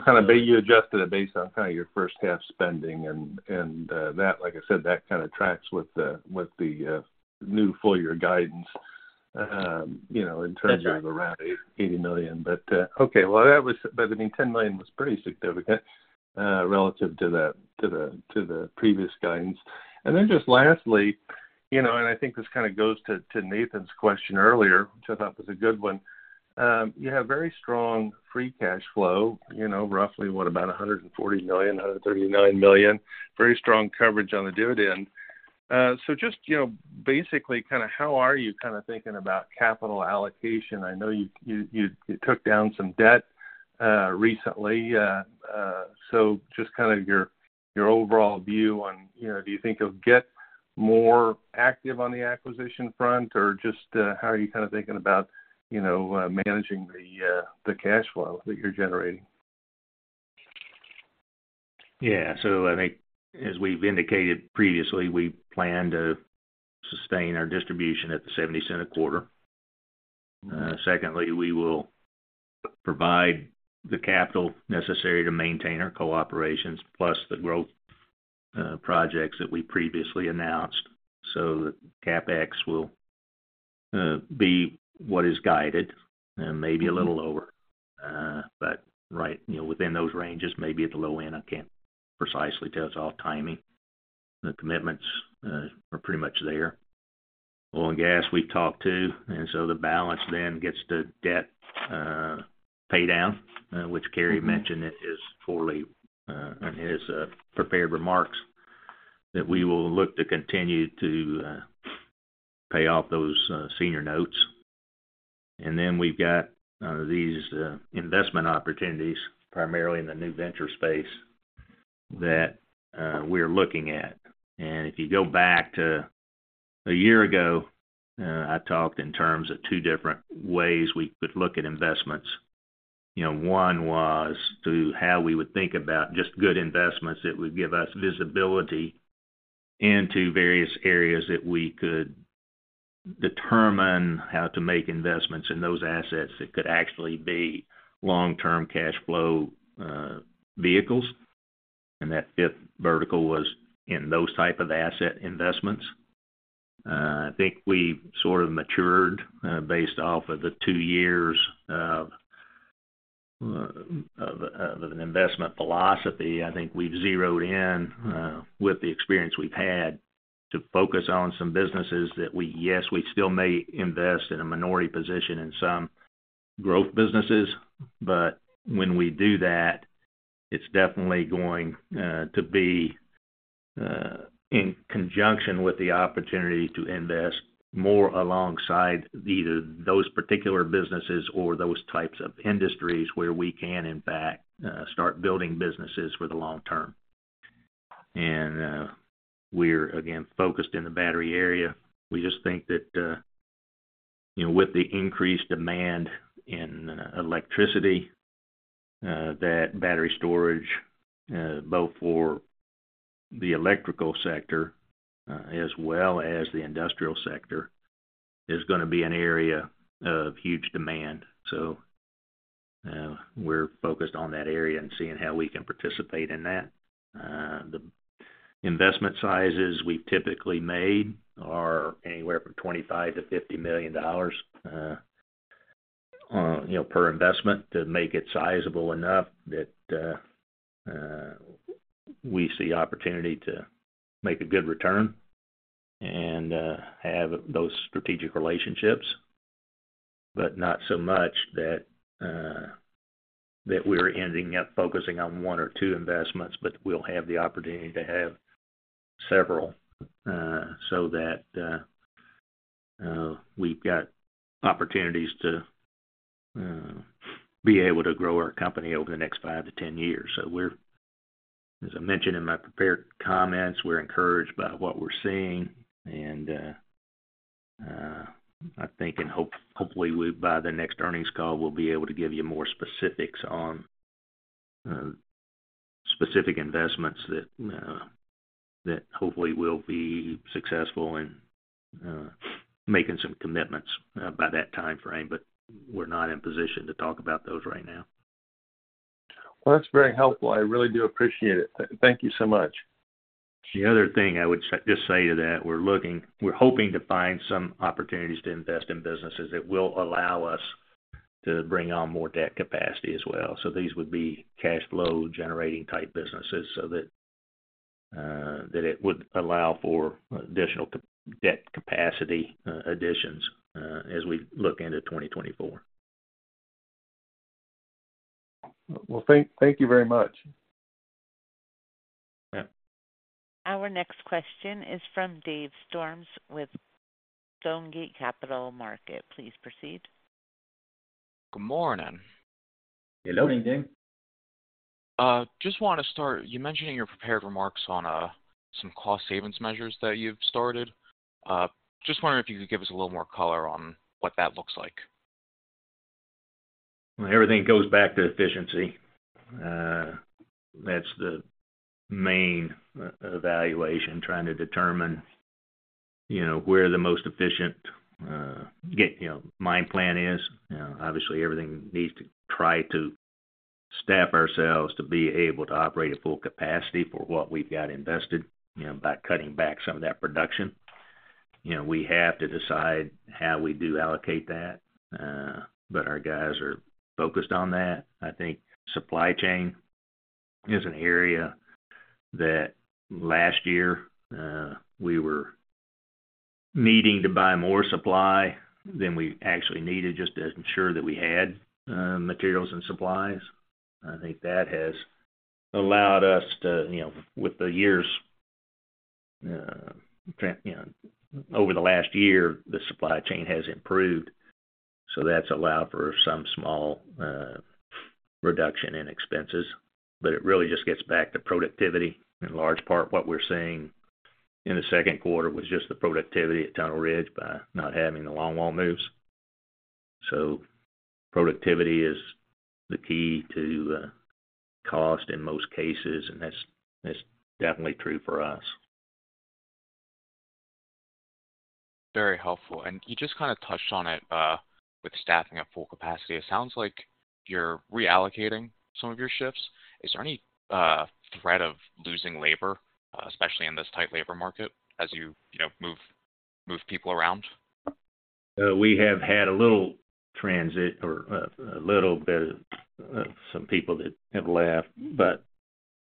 Kind of you adjusted it based on kind of your first half spending and, and, that, like I said, that kind of tracks with the, with the, new full year guidance. Yeah... you know, in terms of around $80 million. Okay, well, that was, but I mean, $10 million was pretty significant relative to the, to the, to the previous guidance. Just lastly, you know, and I think this kind of goes to Nathan's question earlier, which I thought was a good one. You have very strong free cash flow, you know, roughly, what, about $140 million, $139 million. Very strong coverage on the dividend. Just, you know, basically, kind of how are you kind of thinking about capital allocation? I know you, you, you took down some debt, recently, so just kind of your, your overall view on, you know, do you think you'll get more active on the acquisition front, or just, how are you kind of thinking about, you know, managing the, the cash flow that you're generating? I think as we've indicated previously, we plan to sustain our distribution at the $0.70 a quarter. Secondly, we will provide the capital necessary to maintain our cooperations, plus the growth projects that we previously announced. The CapEx will be what is guided and maybe a little lower, but right, you know, within those ranges, maybe at the low end, I can't precisely tell. It's all timing. The commitments are pretty much there. Oil and gas, we've talked too, the balance then gets to debt pay down, which Cary mentioned it is fully in his prepared remarks, that we will look to continue to pay off those senior notes. Then we've got these investment opportunities, primarily in the new venture space, that we're looking at. If you go back to a year ago, I talked in terms of two different ways we could look at investments. You know, one was through how we would think about just good investments that would give us visibility into various areas that we could determine how to make investments in those assets, that could actually be long-term cash flow vehicles. That fifth vertical was in those type of asset investments. I think we sort of matured, based off of the two years of an investment philosophy. I think we've zeroed in with the experience we've had, to focus on some businesses that yes, we still may invest in a minority position in some growth businesses, but when we do that, it's definitely going to be in conjunction with the opportunity to invest more alongside either those particular businesses or those types of industries where we can in fact, start building businesses for the long term. We're again, focused in the battery area. We just think that, you know, with the increased demand in electricity, that battery storage, both for the electrical sector, as well as the industrial sector, is going to be an area of huge demand. We're focused on that area and seeing how we can participate in that. The investment sizes we've typically made are anywhere from $25 million-$50 million on, you know, per investment to make it sizable enough that we see opportunity to make a good return and have those strategic relationships, but not so much that we're ending up focusing on one or two investments, but we'll have the opportunity to have several, so that we've got opportunities to be able to grow our company over the next 5-10 years. We're, as I mentioned in my prepared comments, we're encouraged by what we're seeing, and I think and hopefully, we, by the next earnings call, we'll be able to give you more specifics on specific investments that hopefully will be successful in making some commitments by that timeframe. We're not in position to talk about those right now. Well, that's very helpful. I really do appreciate it. Thank you so much. The other thing I would just say to that, we're hoping to find some opportunities to invest in businesses that will allow us to bring on more debt capacity as well. These would be cash flow generating type businesses, so that it would allow for additional debt capacity additions as we look into 2024. Well, thank, thank you very much. Yeah. Our next question is from Dave Storms with Stonegate Capital Markets. Please proceed. Good morning. Hello, Dave. Just want to start, you mentioned in your prepared remarks on, some cost savings measures that you've started. Just wondering if you could give us a little more color on what that looks like? Everything goes back to efficiency. That's the main evaluation, trying to determine, you know, where the most efficient, you know, mine plan is. You know, obviously, everything needs to try to staff ourselves to be able to operate at full capacity for what we've got invested, you know, by cutting back some of that production. You know, we have to decide how we do allocate that. Our guys are focused on that. I think supply chain is an area that last year, we were needing to buy more supply than we actually needed, just to ensure that we had materials and supplies. I think that has allowed us to, you know, with the years, you know, over the last year, the supply chain has improved. That's allowed for some small reduction in expenses. It really just gets back to productivity. In large part, what we're seeing in the second quarter was just the productivity at Tunnel Ridge by not having the longwall moves. Productivity is the key to cost in most cases, and that's, that's definitely true for us. Very helpful. You just kind of touched on it, with staffing at full capacity. It sounds like you're reallocating some of your shifts. Is there any threat of losing labor, especially in this tight labor market, as you, you know, move, move people around? tle transit or a little bit of some people that have left, but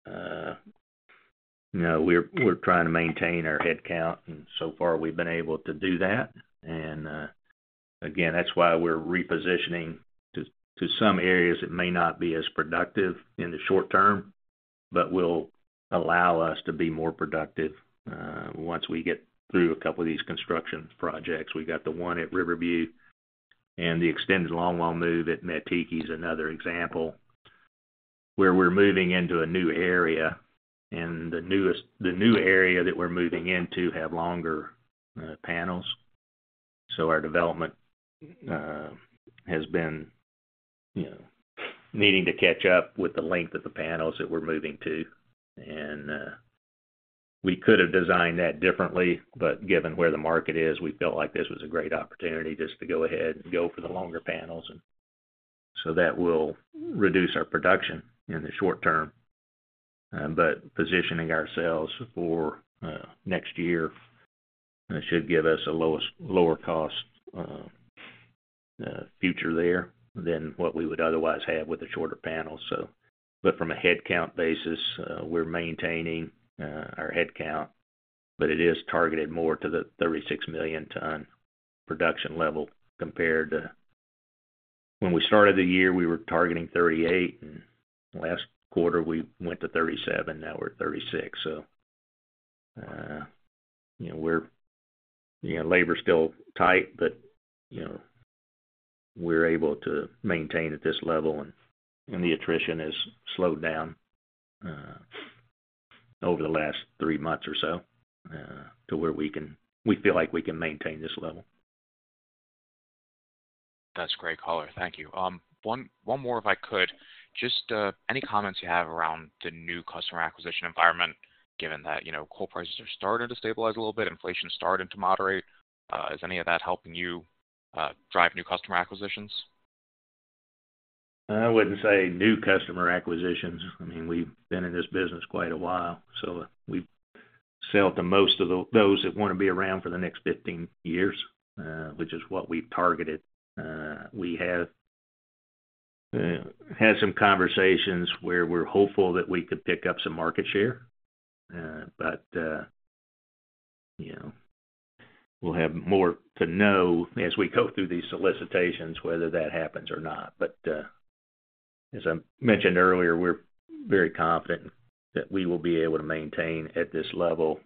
you know, we're trying to maintain our headcount, and so far, we've been able to do that. Again, that's why we're repositioning to some areas that may not be as productive in the short term, but will allow us to be more productive once we get through a couple of these construction projects. We've got the one at River View, and the extended longwall move at Mettiki is another example, where we're moving into a new area and the new area that we're moving into have longer panels. So our development has been, you know, needing to catch up with the length of the panels that we're moving to. We could have designed that differently, but given where the market is, we felt like this was a great opportunity just to go ahead and go for the longer panels. That will reduce our production in the short term, but positioning ourselves for next year, should give us a lowest, lower cost future there than what we would otherwise have with the shorter panels. From a headcount basis, we're maintaining our headcount, but it is targeted more to the 36 million ton production level compared to when we started the year, we were targeting 38, and last quarter we went to 37, now we're at 36. you know, we're, you know, labor's still tight, but, you know, we're able to maintain at this level, and, and the attrition has slowed down over the last 3 months or so, to where we feel like we can maintain this level. That's great, color. Thank you. One more, if I could. Just, any comments you have around the new customer acquisition environment, given that, you know, coal prices are starting to stabilize a little bit, inflation is starting to moderate, is any of that helping you, drive new customer acquisitions? I wouldn't say new customer acquisitions. I mean, we've been in this business quite a while, so we sell to most of those that want to be around for the next 15 years, which is what we've targeted. We have had some conversations where we're hopeful that we could pick up some market share. You know, we'll have more to know as we go through these solicitations, whether that happens or not. As I mentioned earlier, we're very confident that we will be able to maintain at this level,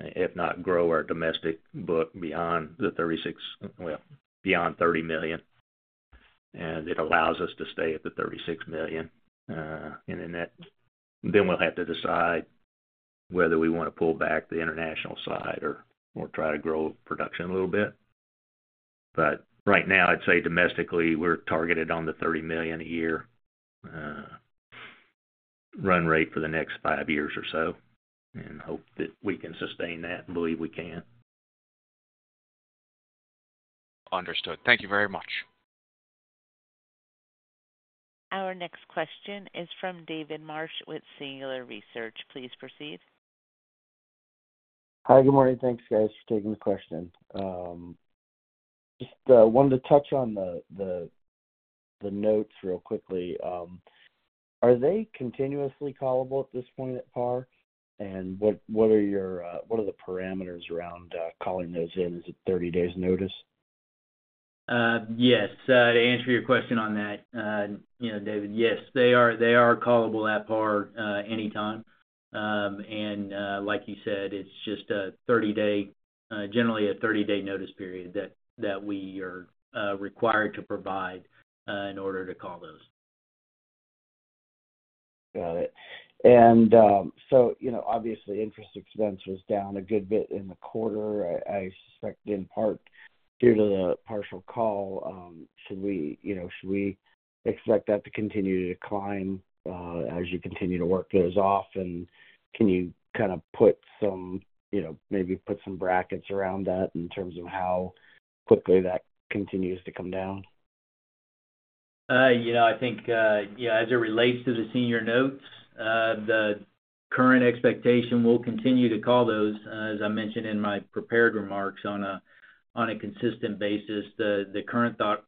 if not grow our domestic book beyond the 36-- well, beyond $30 million. It allows us to stay at the $36 million, and then that, then we'll have to decide whether we want to pull back the international side or, or try to grow production a little bit. Right now, I'd say domestically, we're targeted on the $30 million a year run rate for the next five years or so, and hope that we can sustain that, and believe we can. Understood. Thank you very much. Our next question is from David Marsh with Singular Research. Please proceed. Hi, good morning. Thanks, guys, for taking the question. just wanted to touch on the, the, the notes real quickly. are they continuously callable at this point at par? What, what are your, what are the parameters around, calling those in? Is it 30 days' notice? Yes. To answer your question on that, you know, David, yes, they are, they are callable at par, anytime. Like you said, it's just a 30-day, generally a 30-day notice period that, that we are, required to provide, in order to call those. Got it. You know, obviously, interest expense was down a good bit in the quarter. I, I suspect in part due to the partial call. Should we, you know, should we expect that to continue to decline as you continue to work those off? Can you kind of put some, you know, maybe put some brackets around that in terms of how quickly that continues to come down? You know, I think, yeah, as it relates to the senior notes, the current expectation, we'll continue to call those, as I mentioned in my prepared remarks, on a consistent basis. The current thought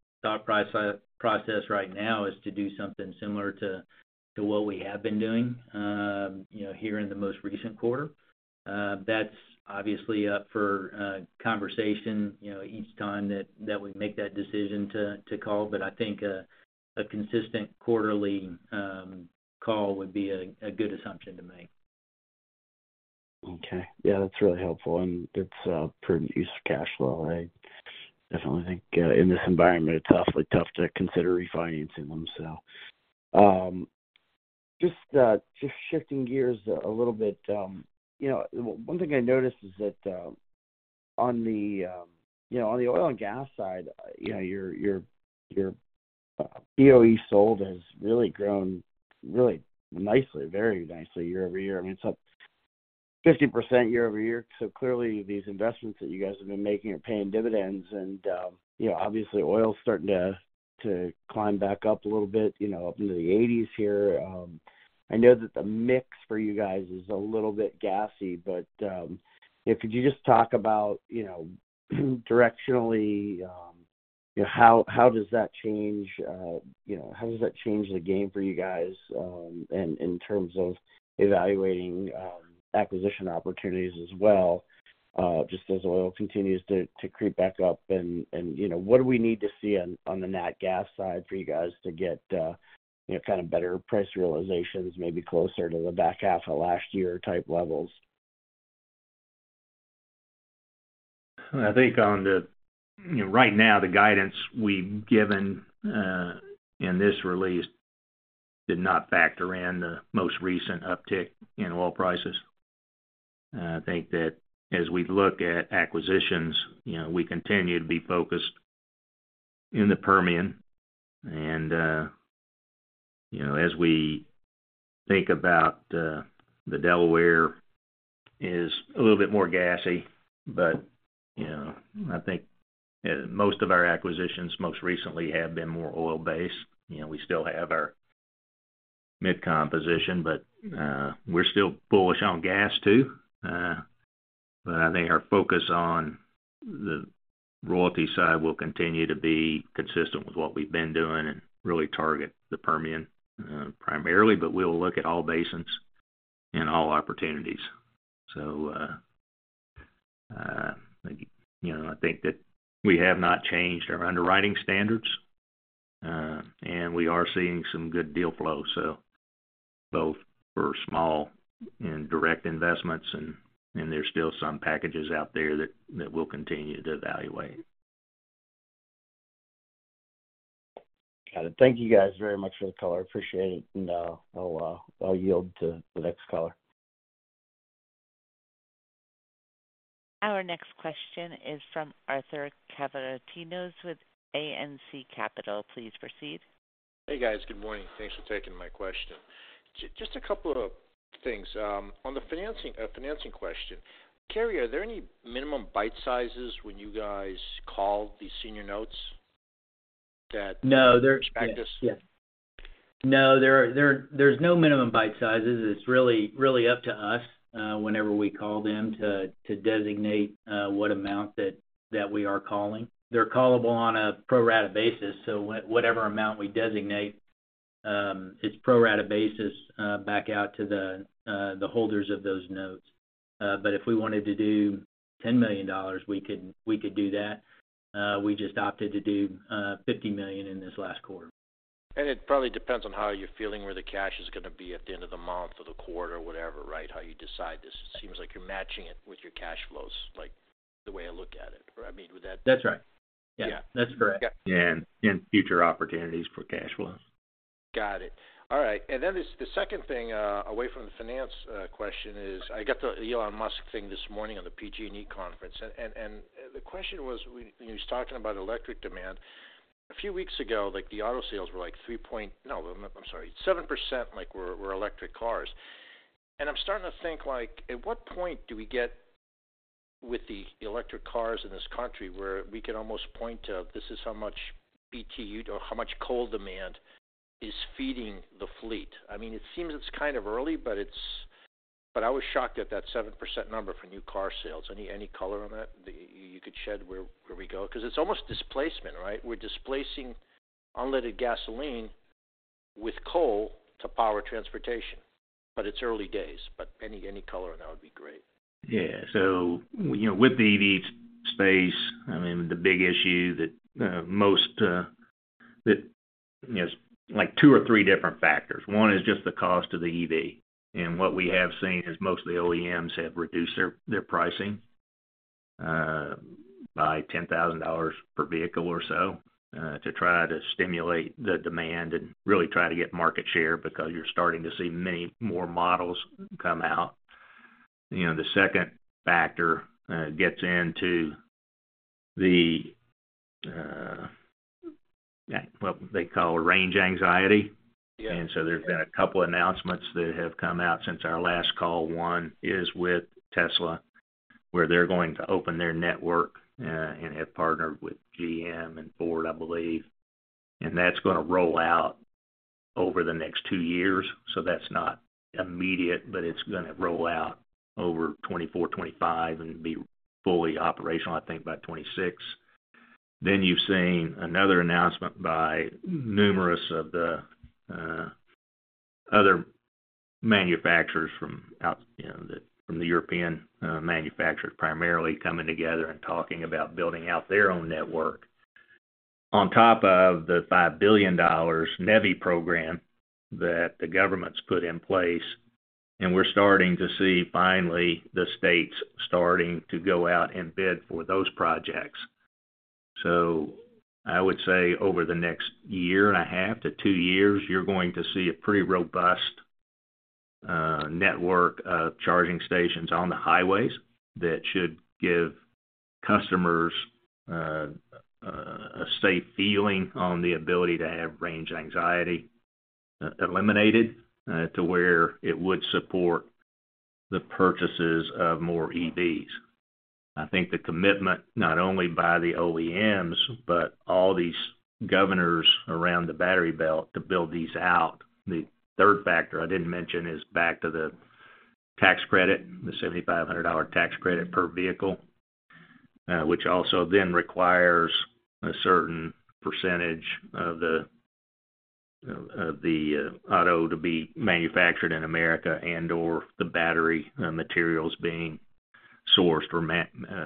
process right now is to do something similar to what we have been doing, you know, here in the most recent quarter. That's obviously up for conversation, you know, each time that we make that decision to call. I think a consistent quarterly call would be a good assumption to make. Okay. Yeah, that's really helpful, and it's a prudent use of cash flow. I definitely think, in this environment, it's awfully tough to consider refinancing them, so. Just shifting gears a little bit, you know, one thing I noticed is that, on the, you know, on the oil and gas side, you know, your, your, your BOE sold has really grown really nicely, very nicely year-over-year. I mean, it's up 50% year-over-year. Clearly, these investments that you guys have been making are paying dividends. You know, obviously oil is starting to, to climb back up a little bit, you know, up into the 80s here. I know that the mix for you guys is a little bit gassy, but, could you just talk about, you know, directionally, how, how does that change, you know, how does that change the game for you guys? And in terms of evaluating, acquisition opportunities as well, just as oil continues to, to creep back up and, you know, what do we need to see on, on the Nat-gas side for you guys to get, you know, kind of better price realizations, maybe closer to the back half of last year type levels? I think Right now, the guidance we've given in this release did not factor in the most recent uptick in oil prices. I think that as we look at acquisitions, you know, we continue to be focused in the Permian, and, you know, as we think about, the Delaware is a little bit more gassy, but, you know, I think most of our acquisitions most recently have been more oil-based. You know, we still have our mid composition, but, we're still bullish on gas too. I think our focus on the royalty side will continue to be consistent with what we've been doing and really target the Permian primarily, but we'll look at all basins and all opportunities. You know, I think that we have not changed our underwriting standards, and we are seeing some good deal flow, so both for small and direct investments, and, and there's still some packages out there that, that we'll continue to evaluate. Got it. Thank you guys very much for the call. I appreciate it. I'll yield to the next caller. Our next question is from Arthur Calavritinos with ANC Capital. Please proceed. Hey, guys. Good morning. Thanks for taking my question. Just a couple of things. On the financing, financing question, Cary, are there any minimum bite sizes when you guys call these senior notes? No, there... expect us? Yeah. No, there, there, there's no minimum bite sizes. It's really, really up to us, whenever we call them to, to designate, what amount that, that we are calling. They're callable on a pro rata basis, so whatever amount we designate, it's pro rata basis, back out to the, the holders of those notes. If we wanted to do $10 million, we could, we could do that. We just opted to do $50 million in this last quarter. It probably depends on how you're feeling, where the cash is gonna be at the end of the month or the quarter, whatever, right? How you decide this. Seems like you're matching it with your cash flows, like, the way I look at it. I mean, would that- That's right. Yeah. That's correct. Yeah, future opportunities for cash flows. Got it. All right. Then there's the second thing, away from the finance, question is, I got the Elon Musk thing this morning on the PG&E conference, and, and, and the question was, he was talking about electric demand. A few weeks ago, like, the auto sales were like three point... No, I'm, I'm sorry, 7%, like, were, were electric cars. And I'm starting to think, like, at what point do we get with the electric cars in this country where we can almost point to, this is how much BTU or how much coal demand is feeding the fleet? I mean, it seems it's kind of early, but I was shocked at that 7% number for new car sales. Any, any color on that, that you could shed where, where we go? Because it's almost displacement, right? We're displacing unleaded gasoline with coal to power transportation, but it's early days. Any color on that would be great. Yeah. You know, with the EV space, I mean, the big issue that most that, you know, like, two or three different factors. One is just the cost of the EV. What we have seen is most of the OEMs have reduced their, their pricing by $10,000 per vehicle or so to try to stimulate the demand and really try to get market share because you're starting to see many more models come out. You know, the second factor gets into the, yeah, what they call range anxiety. Yeah. There's been a couple of announcements that have come out since our last call. One is with Tesla, where they're going to open their network, and have partnered with GM and Ford, I believe, and that's gonna roll out over the next two years. That's not immediate, but it's gonna roll out over 2024, 2025, and be fully operational, I think, by 2026. You've seen another announcement by numerous of the other manufacturers from out, you know, the, from the European manufacturers primarily coming together and talking about building out their own network. On top of the $5 billion NEVI program that the government's put in place, and we're starting to see, finally, the states starting to go out and bid for those projects. I would say over the next 1.5-2 years, you're going to see a pretty robust network of charging stations on the highways that should give customers a safe feeling on the ability to have range anxiety eliminated to where it would support the purchases of more EVs. I think the commitment not only by the OEMs, but all these governors around the Battery Belt to build these out. The third factor I didn't mention is back to the tax credit, the $7,500 tax credit per vehicle, which also then requires a certain % of the, of the auto to be manufactured in America and/or the battery materials being sourced or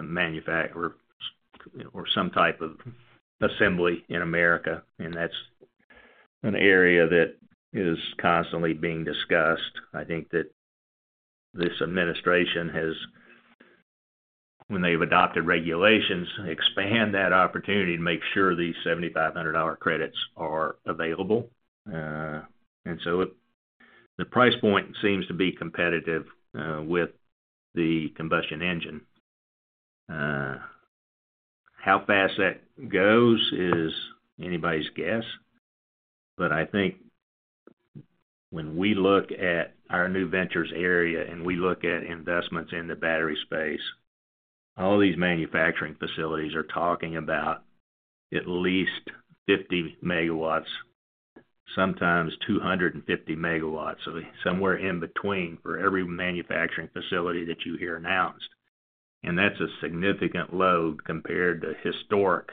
manufactured or some type of assembly in America, That's an area that is constantly being discussed. I think that this administration has, when they've adopted regulations, expand that opportunity to make sure these $7,500 credits are available. The price point seems to be competitive with the combustion engine. How fast that goes is anybody's guess, but I think when we look at our new ventures area and we look at investments in the battery space, all these manufacturing facilities are talking about at least 50 megawatts, sometimes 250 megawatts, so somewhere in between for every manufacturing facility that you hear announced. That's a significant load compared to historic,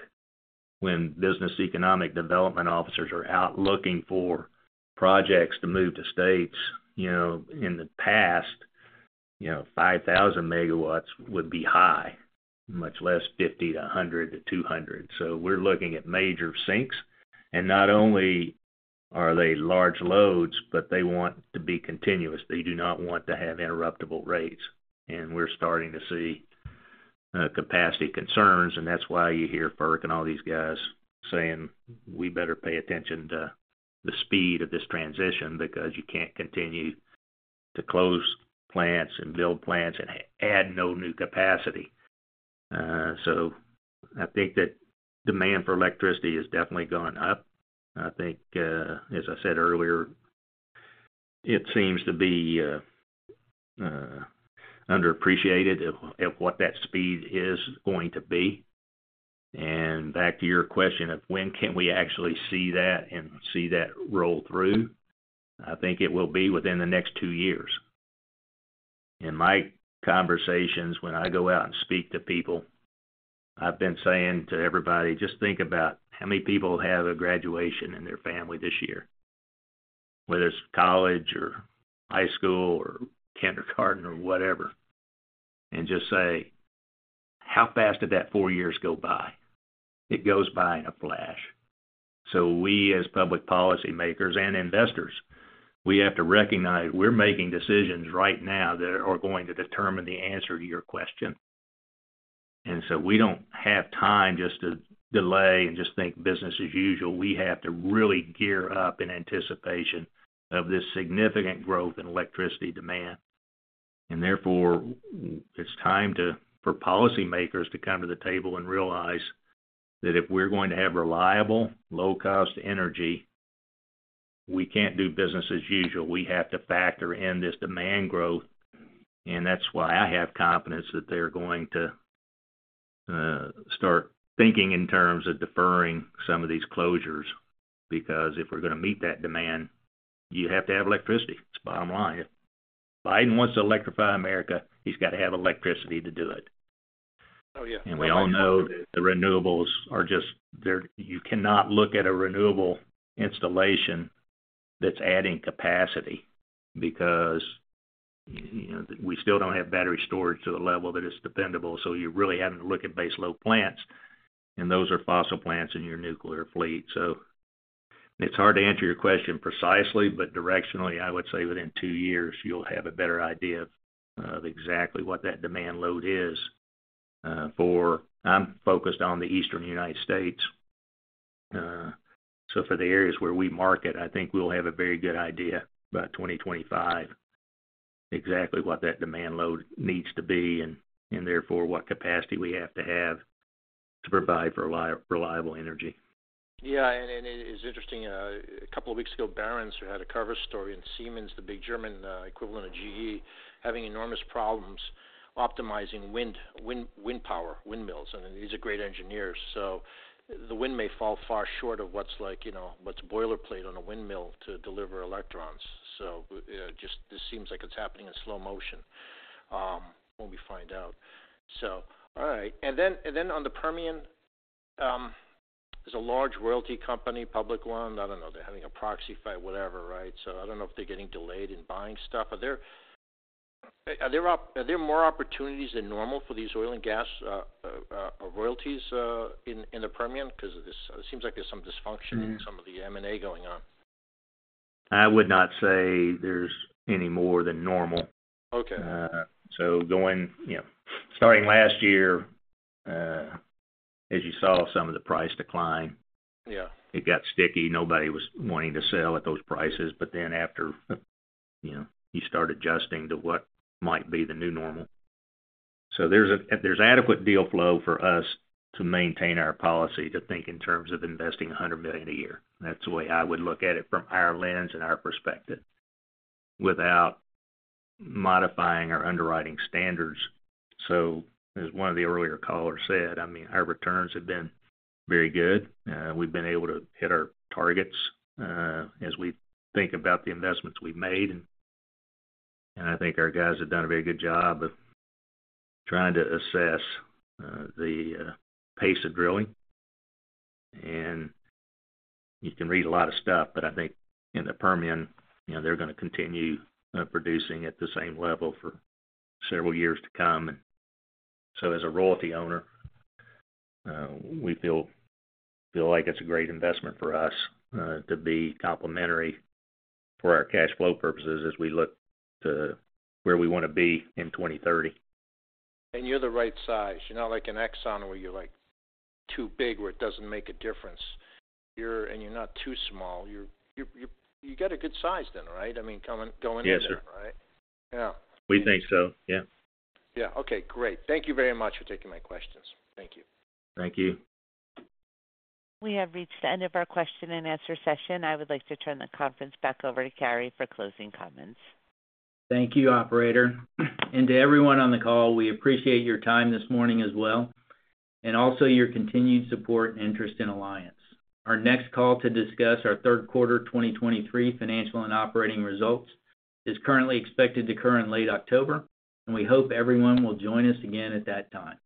when business economic development officers are out looking for projects to move to states. You know, in the past, you know, 5,000 megawatts would be high, much less 50 to 100 to 200. We're looking at major sinks, and not only are they large loads, but they want to be continuous. They do not want to have interruptible rates, and we're starting to see capacity concerns, and that's why you hear FERC and all these guys saying, "We better pay attention to-"... the speed of this transition because you can't continue to close plants and build plants and add no new capacity. I think that demand for electricity has definitely gone up. how many people have a graduation in their family this year, whether it's college or high school or kindergarten or whatever, and just say, "How fast did that four years go by?" It goes by in a flash. We, as public policymakers and investors, we have to recognize we're making decisions right now that are going to determine the answer to your question. We don't have time just to delay and just think business as usual. We have to really gear up in anticipation of this significant growth in electricity demand. Therefore, it's time for policymakers to come to the table and realize that if we're going to have reliable, low-cost energy, we can't do business as usual. We have to factor in this demand growth, and that's why I have confidence that they're going to start thinking in terms of deferring some of these closures, because if we're going to meet that demand, you have to have electricity. It's bottom line. Biden wants to electrify America, he's got to have electricity to do it. Oh, yeah. We all know the renewables are just. You cannot look at a renewable installation that's adding capacity, because, you know, we still don't have battery storage to a level that is dependable, so you're really having to look at baseload plants, and those are fossil plants in your nuclear fleet. It's hard to answer your question precisely, but directionally, I would say within 2 years, you'll have a better idea of, of exactly what that demand load is for. I'm focused on the Eastern United States. So for the areas where we market, I think we'll have a very good idea by 2025, exactly what that demand load needs to be, and, and therefore, what capacity we have to have to provide reliable energy. Yeah, it is interesting. A couple of weeks ago, Barron's had a cover story, and Siemens, the big German, equivalent of GE, having enormous problems optimizing wind, wind, wind power, windmills. These are great engineers. The wind may fall far short of what's like, you know, what's a boilerplate on a windmill to deliver electrons. Just this seems like it's happening in slow motion, when we find out. All right. On the Permian, there's a large royalty company, public one. I don't know, they're having a proxy fight, whatever, right? I don't know if they're getting delayed in buying stuff. Are there, are there more opportunities than normal for these oil and gas royalties in the Permian? This, it seems like there's some dysfunction in some of the M&A going on. I would not say there's any more than normal. Okay. Going, you know, starting last year, as you saw some of the price decline-. Yeah. It got sticky. Nobody was wanting to sell at those prices. Then after, you know, you start adjusting to what might be the new normal. There's adequate deal flow for us to maintain our policy, to think in terms of investing $100 million a year. That's the way I would look at it from our lens and our perspective, without modifying our underwriting standards. As one of the earlier callers said, I mean, our returns have been very good. We've been able to hit our targets as we think about the investments we've made, and, I think our guys have done a very good job of trying to assess the pace of drilling. You can read a lot of stuff, but I think in the Permian, you know, they're going to continue producing at the same level for several years to come. As a royalty owner, we feel, feel like it's a great investment for us to be complementary for our cash flow purposes as we look to where we want to be in 2030. you're the right size. You're not like an Exxon, where you're, like, too big, where it doesn't make a difference. You're not too small. You got a good size then, right? I mean, coming, going in there. Yes, sir. Right? Yeah. We think so, yeah. Yeah. Okay, great. Thank you very much for taking my questions. Thank you. Thank you. We have reached the end of our question and answer session. I would like to turn the conference back over to Cary for closing comments. Thank you, operator. To everyone on the call, we appreciate your time this morning as well, and also your continued support and interest in Alliance. Our next call to discuss our third quarter 2023 financial and operating results is currently expected to occur in late October. We hope everyone will join us again at that time.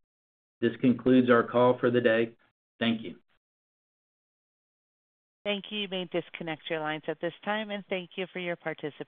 This concludes our call for the day. Thank you. Thank you. You may disconnect your lines at this time, and thank you for your participation.